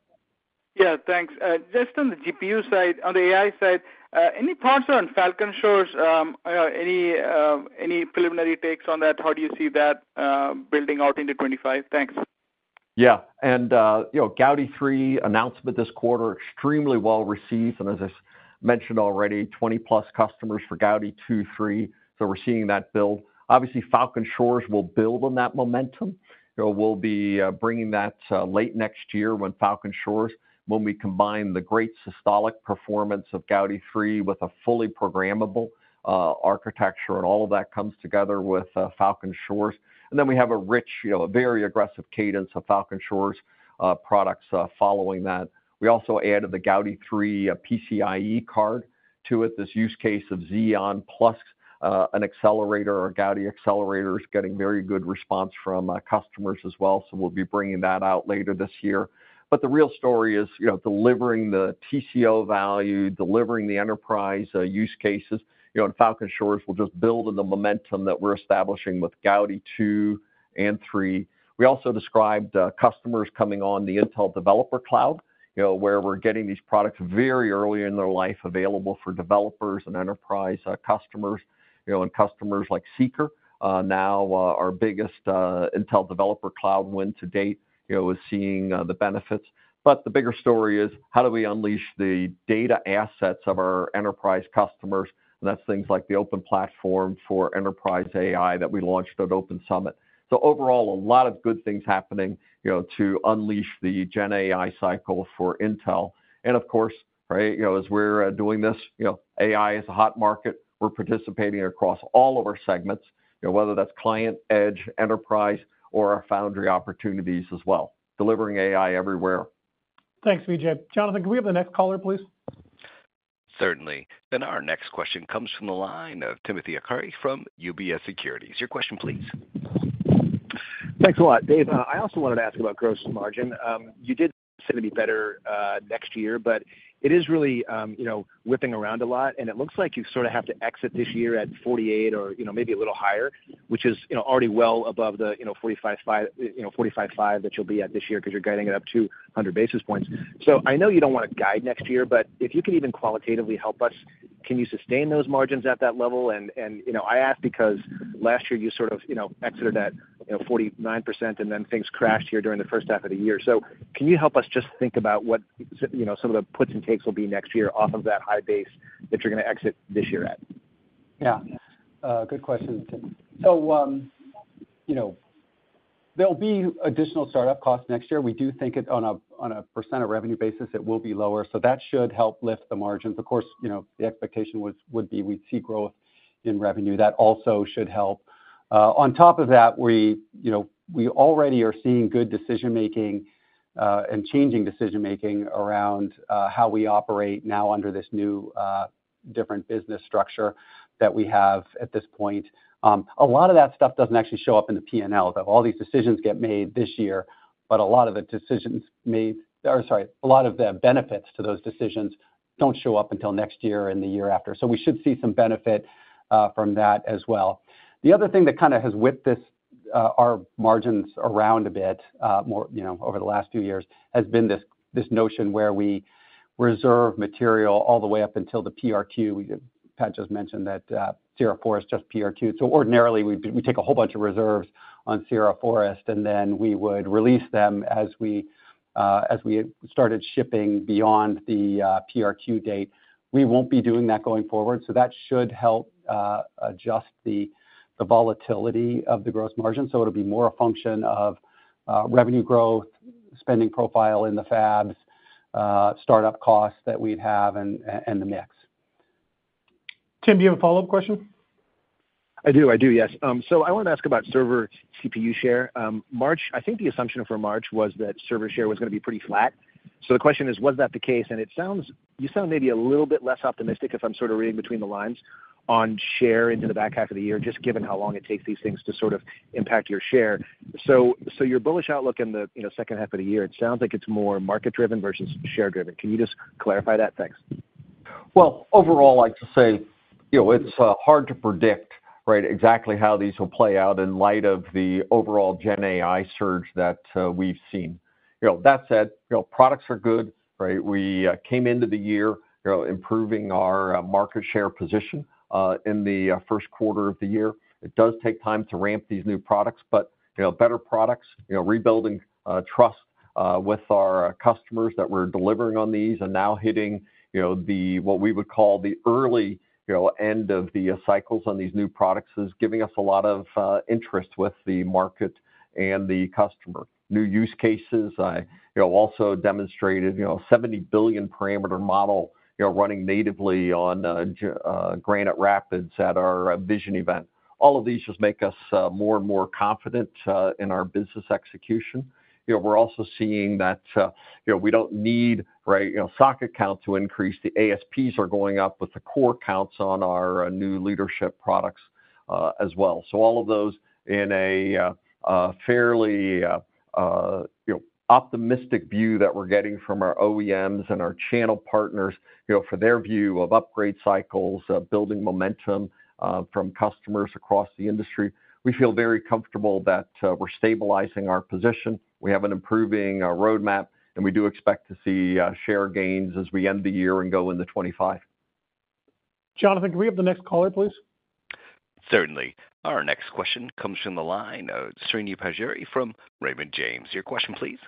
Yeah. Thanks. Just on the GPU side, on the AI side, any thoughts on Falcon Shores? Any preliminary takes on that? How do you see that building out into 2025? Thanks. Yeah. And Gaudi 3 announcement this quarter, extremely well received. And as I mentioned already, 20+ customers for Gaudi 2, 3. So we're seeing that build. Obviously, Falcon Shores will build on that momentum. We'll be bringing that late next year when Falcon Shores when we combine the great systolic performance of Gaudi 3 with a fully programmable architecture. And all of that comes together with Falcon Shores. And then we have a rich, a very aggressive cadence of Falcon Shores products following that. We also added the Gaudi 3 PCIe card to it, this use case of Xeon plus an accelerator, our Gaudi accelerators, getting very good response from customers as well. So we'll be bringing that out later this year. But the real story is delivering the TCO value, delivering the enterprise use cases. And Falcon Shores will just build on the momentum that we're establishing with Gaudi 2 and 3. We also described customers coming on the Intel Developer Cloud where we're getting these products very early in their life available for developers and enterprise customers and customers like Seekr. Now, our biggest Intel Developer Cloud win to date is seeing the benefits. But the bigger story is how do we unleash the data assets of our enterprise customers? And that's things like the Open Platform for Enterprise AI that we launched at OpenSummit. So overall, a lot of good things happening to unleash the Gen AI cycle for Intel. And of course, as we're doing this, AI is a hot market. We're participating across all of our segments, whether that's client, edge, enterprise, or our Foundry opportunities as well, delivering AI everywhere. Thanks, Vijay. Jonathan, can we have the next caller, please? Certainly. And our next question comes from the line of Timothy Arcuri from UBS Securities. Your question, please. Thanks a lot, Dave. I also wanted to ask about gross margin. You did say to be better next year, but it is really whipping around a lot. And it looks like you sort of have to exit this year at 48 or maybe a little higher, which is already well above the 45.5 that you'll be at this year because you're guiding it up to 100 basis points. So I know you don't want to guide next year, but if you can even qualitatively help us, can you sustain those margins at that level? And I ask because last year you sort of exited at 49%, and then things crashed here during the first half of the year. So can you help us just think about what some of the puts and takes will be next year off of that high base that you're going to exit this year at? Yeah. Good question, Tim. So there'll be additional startup costs next year. We do think on a percent of revenue basis, it will be lower. So that should help lift the margins. Of course, the expectation would be we'd see growth in revenue. That also should help. On top of that, we already are seeing good decision-making and changing decision-making around how we operate now under this new different business structure that we have at this point. A lot of that stuff doesn't actually show up in the P&L. All these decisions get made this year, but a lot of the decisions made or sorry, a lot of the benefits to those decisions don't show up until next year and the year after. So we should see some benefit from that as well. The other thing that kind of has whipped our margins around a bit over the last few years has been this notion where we reserve material all the way up until the PRQ. Pat just mentioned that Sierra Forest just PRQed. So ordinarily, we take a whole bunch of reserves on Sierra Forest, and then we would release them as we started shipping beyond the PRQ date. We won't be doing that going forward. So that should help adjust the volatility of the gross margin. So it'll be more a function of revenue growth, spending profile in the fabs, startup costs that we'd have, and the mix. Tim, do you have a follow-up question? I do. I do. Yes. So I wanted to ask about server CPU share. I think the assumption for March was that server share was going to be pretty flat. So the question is, was that the case? And you sound maybe a little bit less optimistic if I'm sort of reading between the lines on share into the back half of the year, just given how long it takes these things to sort of impact your share. So your bullish outlook in the second half of the year, it sounds like it's more market-driven versus share-driven. Can you just clarify that? Thanks. Well, overall, I'd say it's hard to predict exactly how these will play out in light of the overall Gen AI surge that we've seen. That said, products are good. We came into the year improving our market share position in the first quarter of the year. It does take time to ramp these new products, but better products, rebuilding trust with our customers that we're delivering on these and now hitting what we would call the early end of the cycles on these new products is giving us a lot of interest with the market and the customer. New use cases also demonstrated a 70-billion-parameter model running natively on Granite Rapids at our Vision event. All of these just make us more and more confident in our business execution. We're also seeing that we don't need socket counts to increase. The ASPs are going up with the core counts on our new leadership products as well. So all of those in a fairly optimistic view that we're getting from our OEMs and our channel partners for their view of upgrade cycles, building momentum from customers across the industry. We feel very comfortable that we're stabilizing our position. We have an improving roadmap, and we do expect to see share gains as we end the year and go into 2025. Jonathan, can we have the next caller, please? Certainly. Our next question comes from the line of Srini Pajjuri from Raymond James. Your question, please.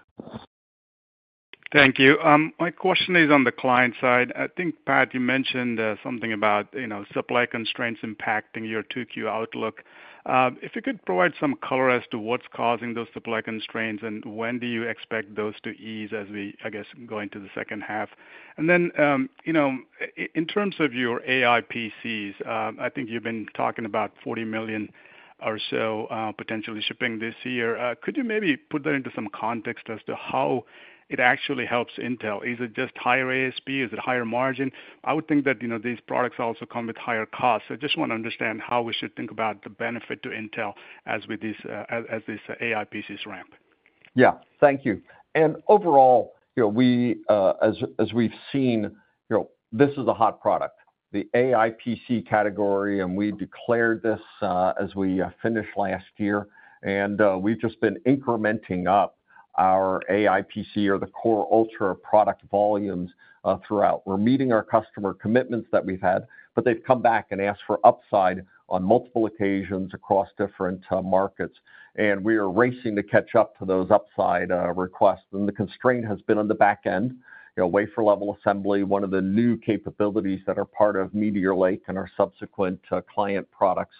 Thank you. My question is on the client side. I think, Pat, you mentioned something about supply constraints impacting your 2Q outlook. If you could provide some color as to what's causing those supply constraints and when do you expect those to ease as we, I guess, go into the second half? And then in terms of your AI PCs, I think you've been talking about 40 million or so potentially shipping this year. Could you maybe put that into some context as to how it actually helps Intel? Is it just higher ASP? Is it higher margin? I would think that these products also come with higher costs. I just want to understand how we should think about the benefit to Intel as these AI PCs ramp. Yeah. Thank you. And overall, as we've seen, this is a hot product, the AI PC category. And we declared this as we finished last year. And we've just been incrementing up our AI PC or the Core Ultra product volumes throughout. We're meeting our customer commitments that we've had, but they've come back and asked for upside on multiple occasions across different markets. We are racing to catch up to those upside requests. The constraint has been on the back end, wafer-level assembly, one of the new capabilities that are part of Meteor Lake and our subsequent client products.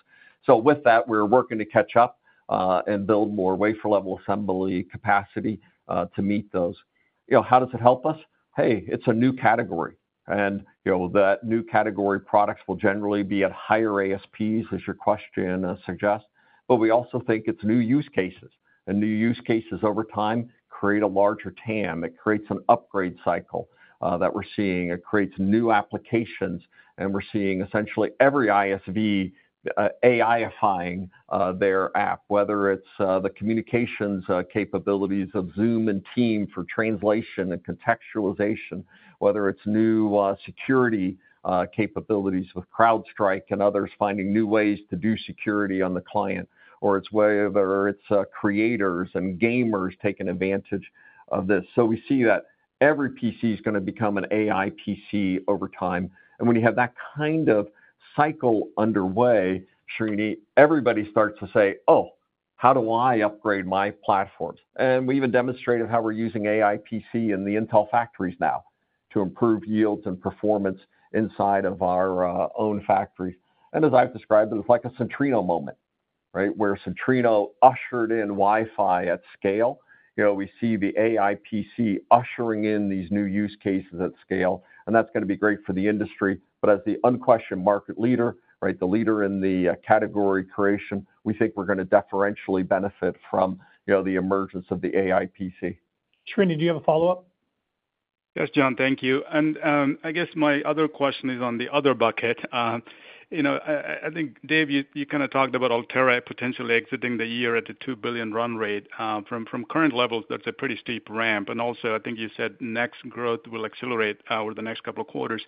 So with that, we're working to catch up and build more wafer-level assembly capacity to meet those. How does it help us? Hey, it's a new category. That new category products will generally be at higher ASPs, as your question suggests. But we also think it's new use cases. New use cases over time create a larger TAM. It creates an upgrade cycle that we're seeing. It creates new applications. And we're seeing essentially every ISV AI-ifying their app, whether it's the communications capabilities of Zoom and Teams for translation and contextualization, whether it's new security capabilities with CrowdStrike and others finding new ways to do security on the client, or it's creators and gamers taking advantage of this. So we see that every PC is going to become an AI PC over time. And when you have that kind of cycle underway, Srini Pajjuri, everybody starts to say, "Oh, how do I upgrade my platforms?" And we even demonstrated how we're using AI PC in the Intel factories now to improve yields and performance inside of our own factories. And as I've described, it was like a Centrino moment where Centrino ushered in Wi-Fi at scale. We see the AI PC ushering in these new use cases at scale. And that's going to be great for the industry. But as the unquestioned market leader, the leader in the category creation, we think we're going to differentially benefit from the emergence of the AI PC. Srini Pajjuri, do you have a follow-up? Yes, John. Thank you. And I guess my other question is on the other bucket. I think, Dave, you kind of talked about Altera potentially exiting the year at a $2 billion run rate. From current levels, that's a pretty steep ramp. And also, I think you said next growth will accelerate over the next couple of quarters.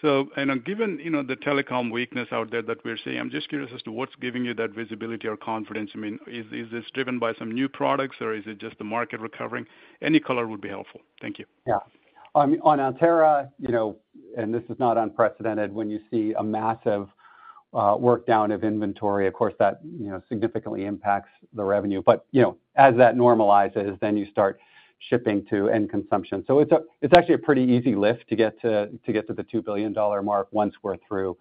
So given the telecom weakness out there that we're seeing, I'm just curious as to what's giving you that visibility or confidence. I mean, is this driven by some new products, or is it just the market recovering? Any color would be helpful. Thank you. Yeah. On Altera, and this is not unprecedented, when you see a massive workdown of inventory, of course, that significantly impacts the revenue. But as that normalizes, then you start shipping to end consumption. So it's actually a pretty easy lift to get to the $2 billion mark once we're through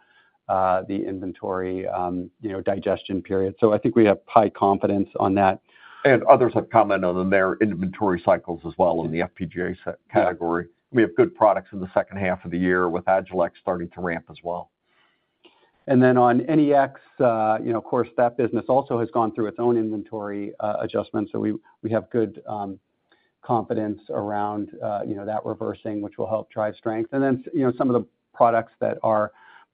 the inventory digestion period. So I think we have high confidence on that. And others have commented on their inventory cycles as well in the FPGA category. We have good products in the second half of the year with Agilex starting to ramp as well. And then on NEX, of course, that business also has gone through its own inventory adjustments. So we have good confidence around that reversing, which will help drive strength. And then some of the products that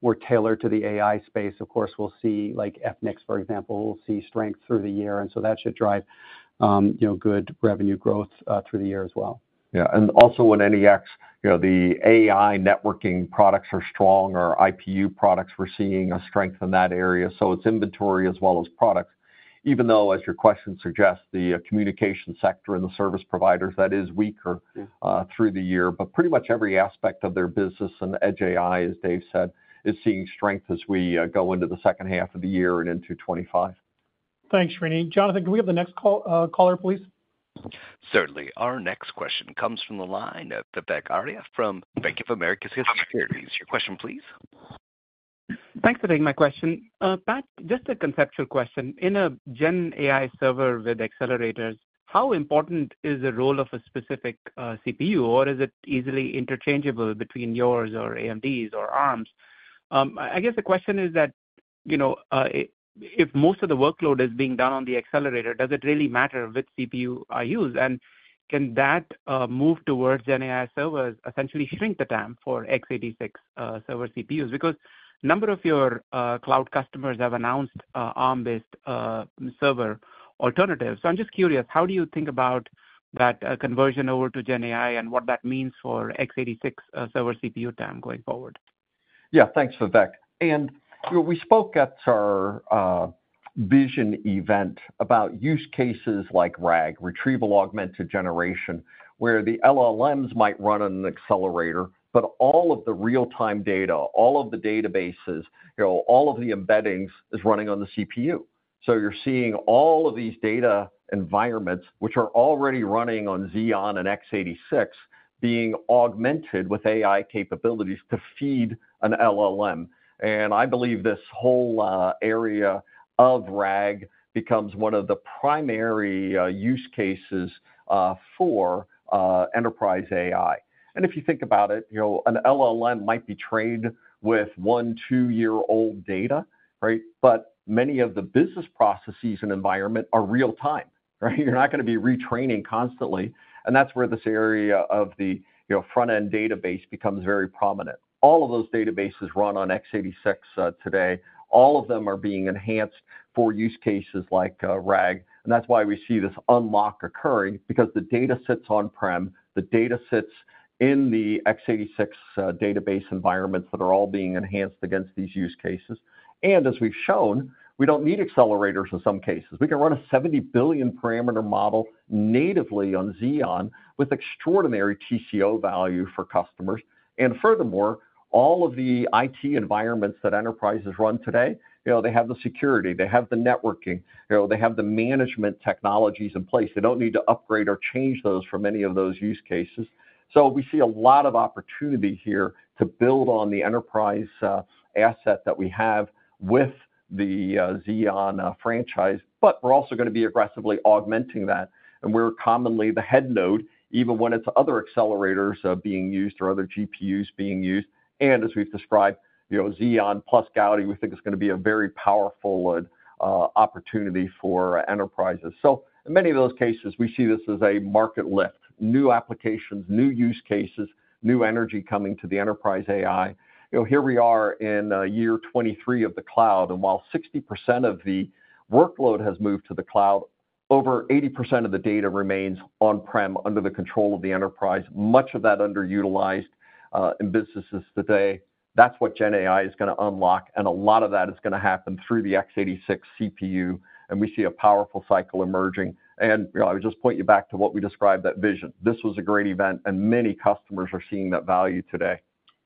were tailored to the AI space, of course, we'll see like Xeon, for example, we'll see strength through the year. And so that should drive good revenue growth through the year as well. Yeah. And also on Xeon, the AI networking products are strong or IPU products, we're seeing a strength in that area. So it's inventory as well as products, even though, as your question suggests, the communication sector and the service providers, that is weaker through the year. But pretty much every aspect of their business and edge AI, as Dave said, is seeing strength as we go into the second half of the year and into 2025. Thanks, Srini Pajjuri. Jonathan, can we have the next caller, please? Certainly. Our next question comes from the line of Vivek Arya from Bank of America Securities. Your question, please. Thanks for taking my question. Pat, just a conceptual question. In a Gen AI server with accelerators, how important is the role of a specific CPU, or is it easily interchangeable between yours or AMD's or ARM's? I guess the question is that if most of the workload is being done on the accelerator, does it really matter which CPU I use? And can that move towards Gen AI servers essentially shrink the TAM for x86 server CPUs? Because a number of your cloud customers have announced ARM-based server alternatives. So I'm just curious, how do you think about that conversion over to Gen AI and what that means for x86 server CPU TAM going forward? Yeah. Thanks, Vivek. And we spoke at our Vision event about use cases like RAG, Retrieval-Augmented Generation, where the LLMs might run on an accelerator, but all of the real-time data, all of the databases, all of the embeddings is running on the CPU. So you're seeing all of these data environments, which are already running on Xeon and x86, being augmented with AI capabilities to feed an LLM. And I believe this whole area of RAG becomes one of the primary use cases for enterprise AI. And if you think about it, an LLM might be trained with one, two-year-old data, but many of the business processes and environment are real-time. You're not going to be retraining constantly. And that's where this area of the front-end database becomes very prominent. All of those databases run on x86 today. All of them are being enhanced for use cases like RAG. And that's why we see this unlock occurring, because the data sits on-prem, the data sits in the x86 database environments that are all being enhanced against these use cases. And as we've shown, we don't need accelerators in some cases. We can run a 70 billion parameter model natively on Xeon with extraordinary TCO value for customers. And furthermore, all of the IT environments that enterprises run today, they have the security, they have the networking, they have the management technologies in place. They don't need to upgrade or change those for many of those use cases. So we see a lot of opportunity here to build on the enterprise asset that we have with the Xeon franchise. But we're also going to be aggressively augmenting that. And we're commonly the head node, even when it's other accelerators being used or other GPUs being used. As we've described, Xeon plus Gaudi, we think is going to be a very powerful opportunity for enterprises. So in many of those cases, we see this as a market lift, new applications, new use cases, new energy coming to the enterprise AI. Here we are in year 2023 of the cloud. While 60% of the workload has moved to the cloud, over 80% of the data remains on-prem under the control of the enterprise, much of that underutilized in businesses today. That's what Gen AI is going to unlock. A lot of that is going to happen through the x86 CPU. We see a powerful cycle emerging. I would just point you back to what we described, that vision. This was a great event, and many customers are seeing that value today.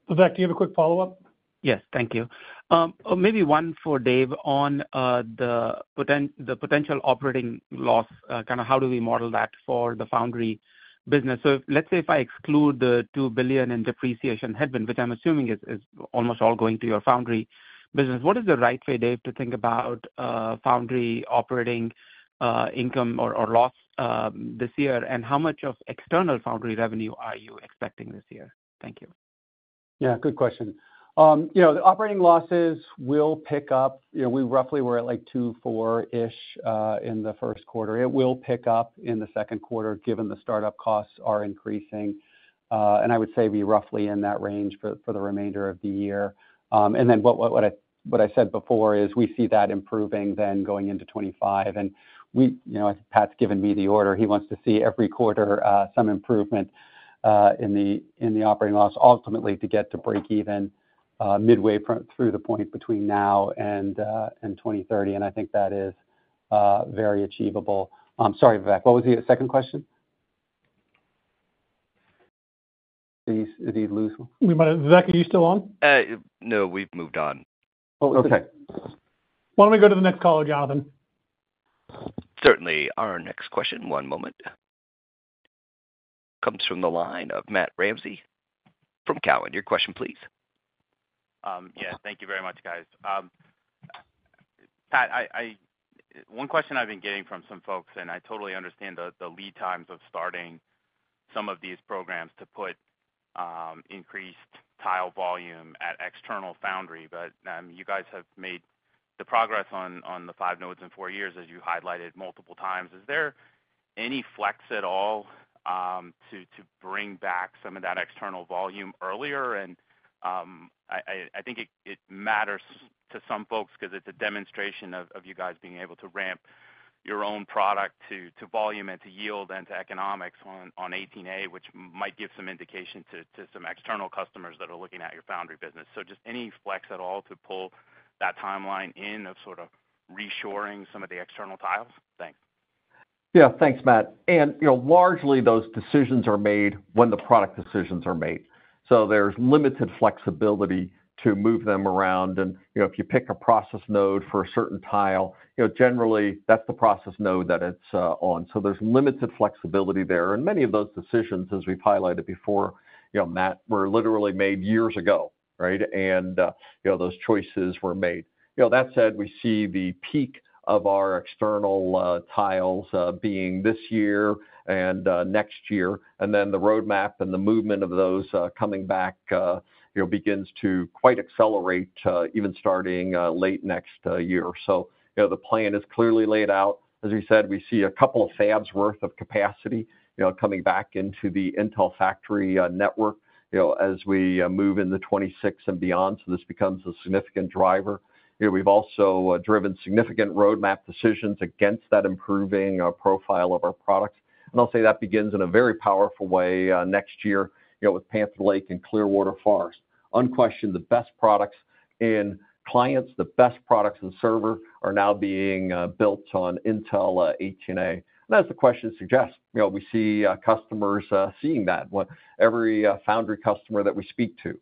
Vivek, do you have a quick follow-up? Yes. Thank you. Maybe one for Dave on the potential operating loss. Kind of how do we model that for the foundry business? So let's say if I exclude the $2 billion in depreciation headwind, which I'm assuming is almost all going to your foundry business, what is the right way, Dave, to think about foundry operating income or loss this year? And how much of external foundry revenue are you expecting this year? Thank you. Yeah. Good question. The operating losses will pick up. We roughly were at like 2.4-ish in the first quarter. It will pick up in the second quarter, given the startup costs are increasing. And I would say we're roughly in that range for the remainder of the year. And then what I said before is we see that improving then going into 2025. And I think Pat's given me the order. He wants to see every quarter some improvement in the operating loss, ultimately, to get to break even midway through the point between now and 2030. And I think that is very achievable. Sorry, Vivek. What was the second question? Did he lose? Vivek, are you still on? No, we've moved on. Okay. Why don't we go to the next caller, Jonathan? Certainly. Our next question. One moment. Comes from the line of Matt Ramsay from Cowen. Your question, please. Yeah. Thank you very much, guys. Pat, one question I've been getting from some folks, and I totally understand the lead times of starting some of these programs to put increased tile volume at external foundry. But you guys have made the progress on the five nodes in four years, as you highlighted multiple times. Is there any flex at all to bring back some of that external volume earlier? I think it matters to some folks because it's a demonstration of you guys being able to ramp your own product to volume and to yield and to economics on 18A, which might give some indication to some external customers that are looking at your foundry business. Just any flex at all to pull that timeline in of sort of reshoring some of the external tiles? Thanks. Yeah. Thanks, Matt. Largely, those decisions are made when the product decisions are made. So there's limited flexibility to move them around. If you pick a process node for a certain tile, generally, that's the process node that it's on. So there's limited flexibility there. Many of those decisions, as we've highlighted before, Matt, were literally made years ago, and those choices were made. That said, we see the peak of our external tiles being this year and next year. And then the roadmap and the movement of those coming back begins to quite accelerate, even starting late next year. So the plan is clearly laid out. As we said, we see a couple of fabs' worth of capacity coming back into the Intel factory network as we move into 2026 and beyond. So this becomes a significant driver. We've also driven significant roadmap decisions against that improving profile of our products. And I'll say that begins in a very powerful way next year with Panther Lake and Clearwater Forest. Unquestioned, the best products in clients, the best products in server are now being built on Intel 18A. And as the question suggests, we see customers seeing that, every foundry customer that we speak to,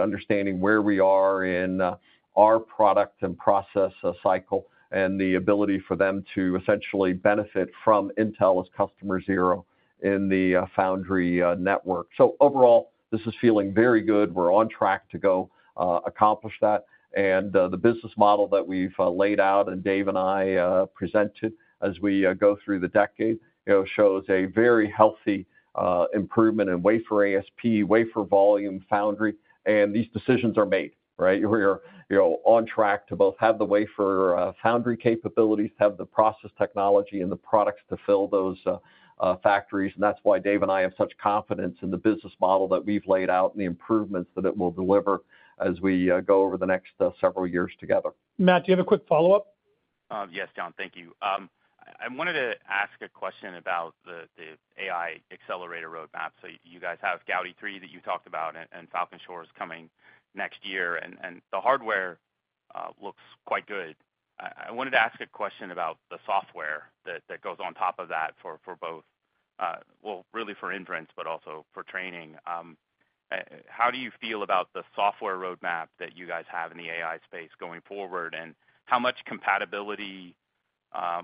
understanding where we are in our product and process cycle and the ability for them to essentially benefit from Intel as customer zero in the foundry network. So overall, this is feeling very good. We're on track to go accomplish that. And the business model that we've laid out and Dave and I presented as we go through the decade shows a very healthy improvement in wafer ASP, wafer volume foundry. And these decisions are made. We're on track to both have the wafer foundry capabilities, have the process technology, and the products to fill those factories. And that's why Dave and I have such confidence in the business model that we've laid out and the improvements that it will deliver as we go over the next several years together. Matt, do you have a quick follow-up? Yes, John. Thank you. I wanted to ask a question about the AI accelerator roadmap. So you guys have Gaudi 3 that you talked about, and Falcon Shores is coming next year. And the hardware looks quite good. I wanted to ask a question about the software that goes on top of that for both, well, really for inference, but also for training. How do you feel about the software roadmap that you guys have in the AI space going forward? And how much compatibility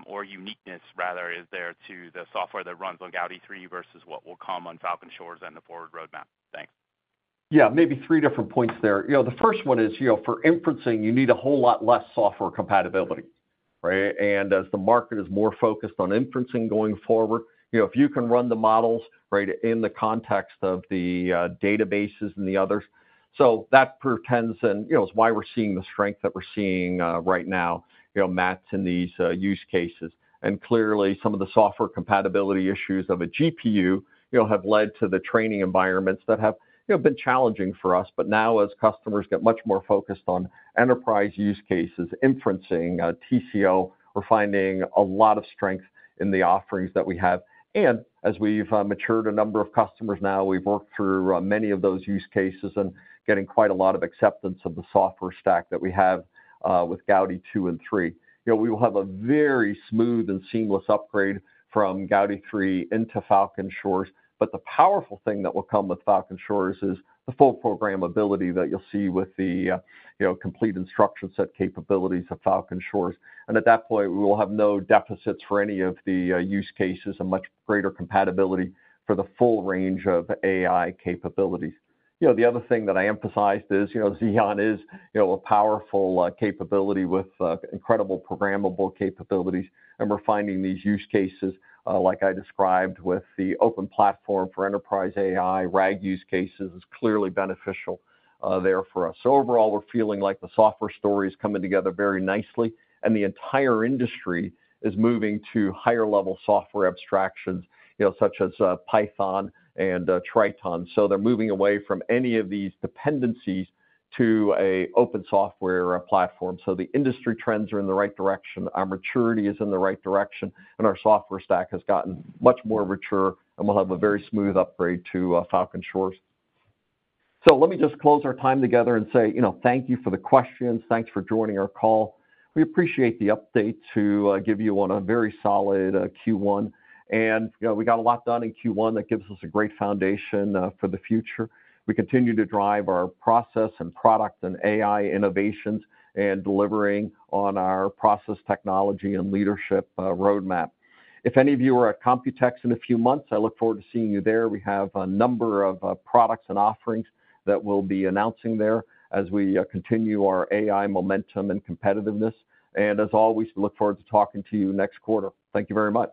or uniqueness, rather, is there to the software that runs on Gaudi 3 versus what will come on Falcon Shores and the forward roadmap? Thanks. Yeah. Maybe three different points there. The first one is, for inferencing, you need a whole lot less software compatibility. As the market is more focused on inferencing going forward, if you can run the models in the context of the databases and the others. So that presents and is why we're seeing the strength that we're seeing right now, Matt, in these use cases. And clearly, some of the software compatibility issues of a GPU have led to the training environments that have been challenging for us. But now, as customers get much more focused on enterprise use cases, inferencing, TCO, we're finding a lot of strength in the offerings that we have. And as we've matured a number of customers now, we've worked through many of those use cases and getting quite a lot of acceptance of the software stack that we have with Gaudi 2 and 3. We will have a very smooth and seamless upgrade from Gaudi 3 into Falcon Shores. The powerful thing that will come with Falcon Shores is the full programmability that you'll see with the complete instruction set capabilities of Falcon Shores. At that point, we will have no deficits for any of the use cases and much greater compatibility for the full range of AI capabilities. The other thing that I emphasized is Xeon is a powerful capability with incredible programmable capabilities. We're finding these use cases, like I described, with the Open Platform for Enterprise AI, RAG use cases is clearly beneficial there for us. Overall, we're feeling like the software story is coming together very nicely. The entire industry is moving to higher-level software abstractions such as Python and Triton. They're moving away from any of these dependencies to an open software platform. The industry trends are in the right direction. Our maturity is in the right direction. Our software stack has gotten much more mature. We'll have a very smooth upgrade to Falcon Shores. So let me just close our time together and say thank you for the questions. Thanks for joining our call. We appreciate the update to give you on a very solid Q1. We got a lot done in Q1 that gives us a great foundation for the future. We continue to drive our process and product and AI innovations and delivering on our process technology and leadership roadmap. If any of you are at Computex in a few months, I look forward to seeing you there. We have a number of products and offerings that we'll be announcing there as we continue our AI momentum and competitiveness. As always, we look forward to talking to you next quarter. Thank you very much.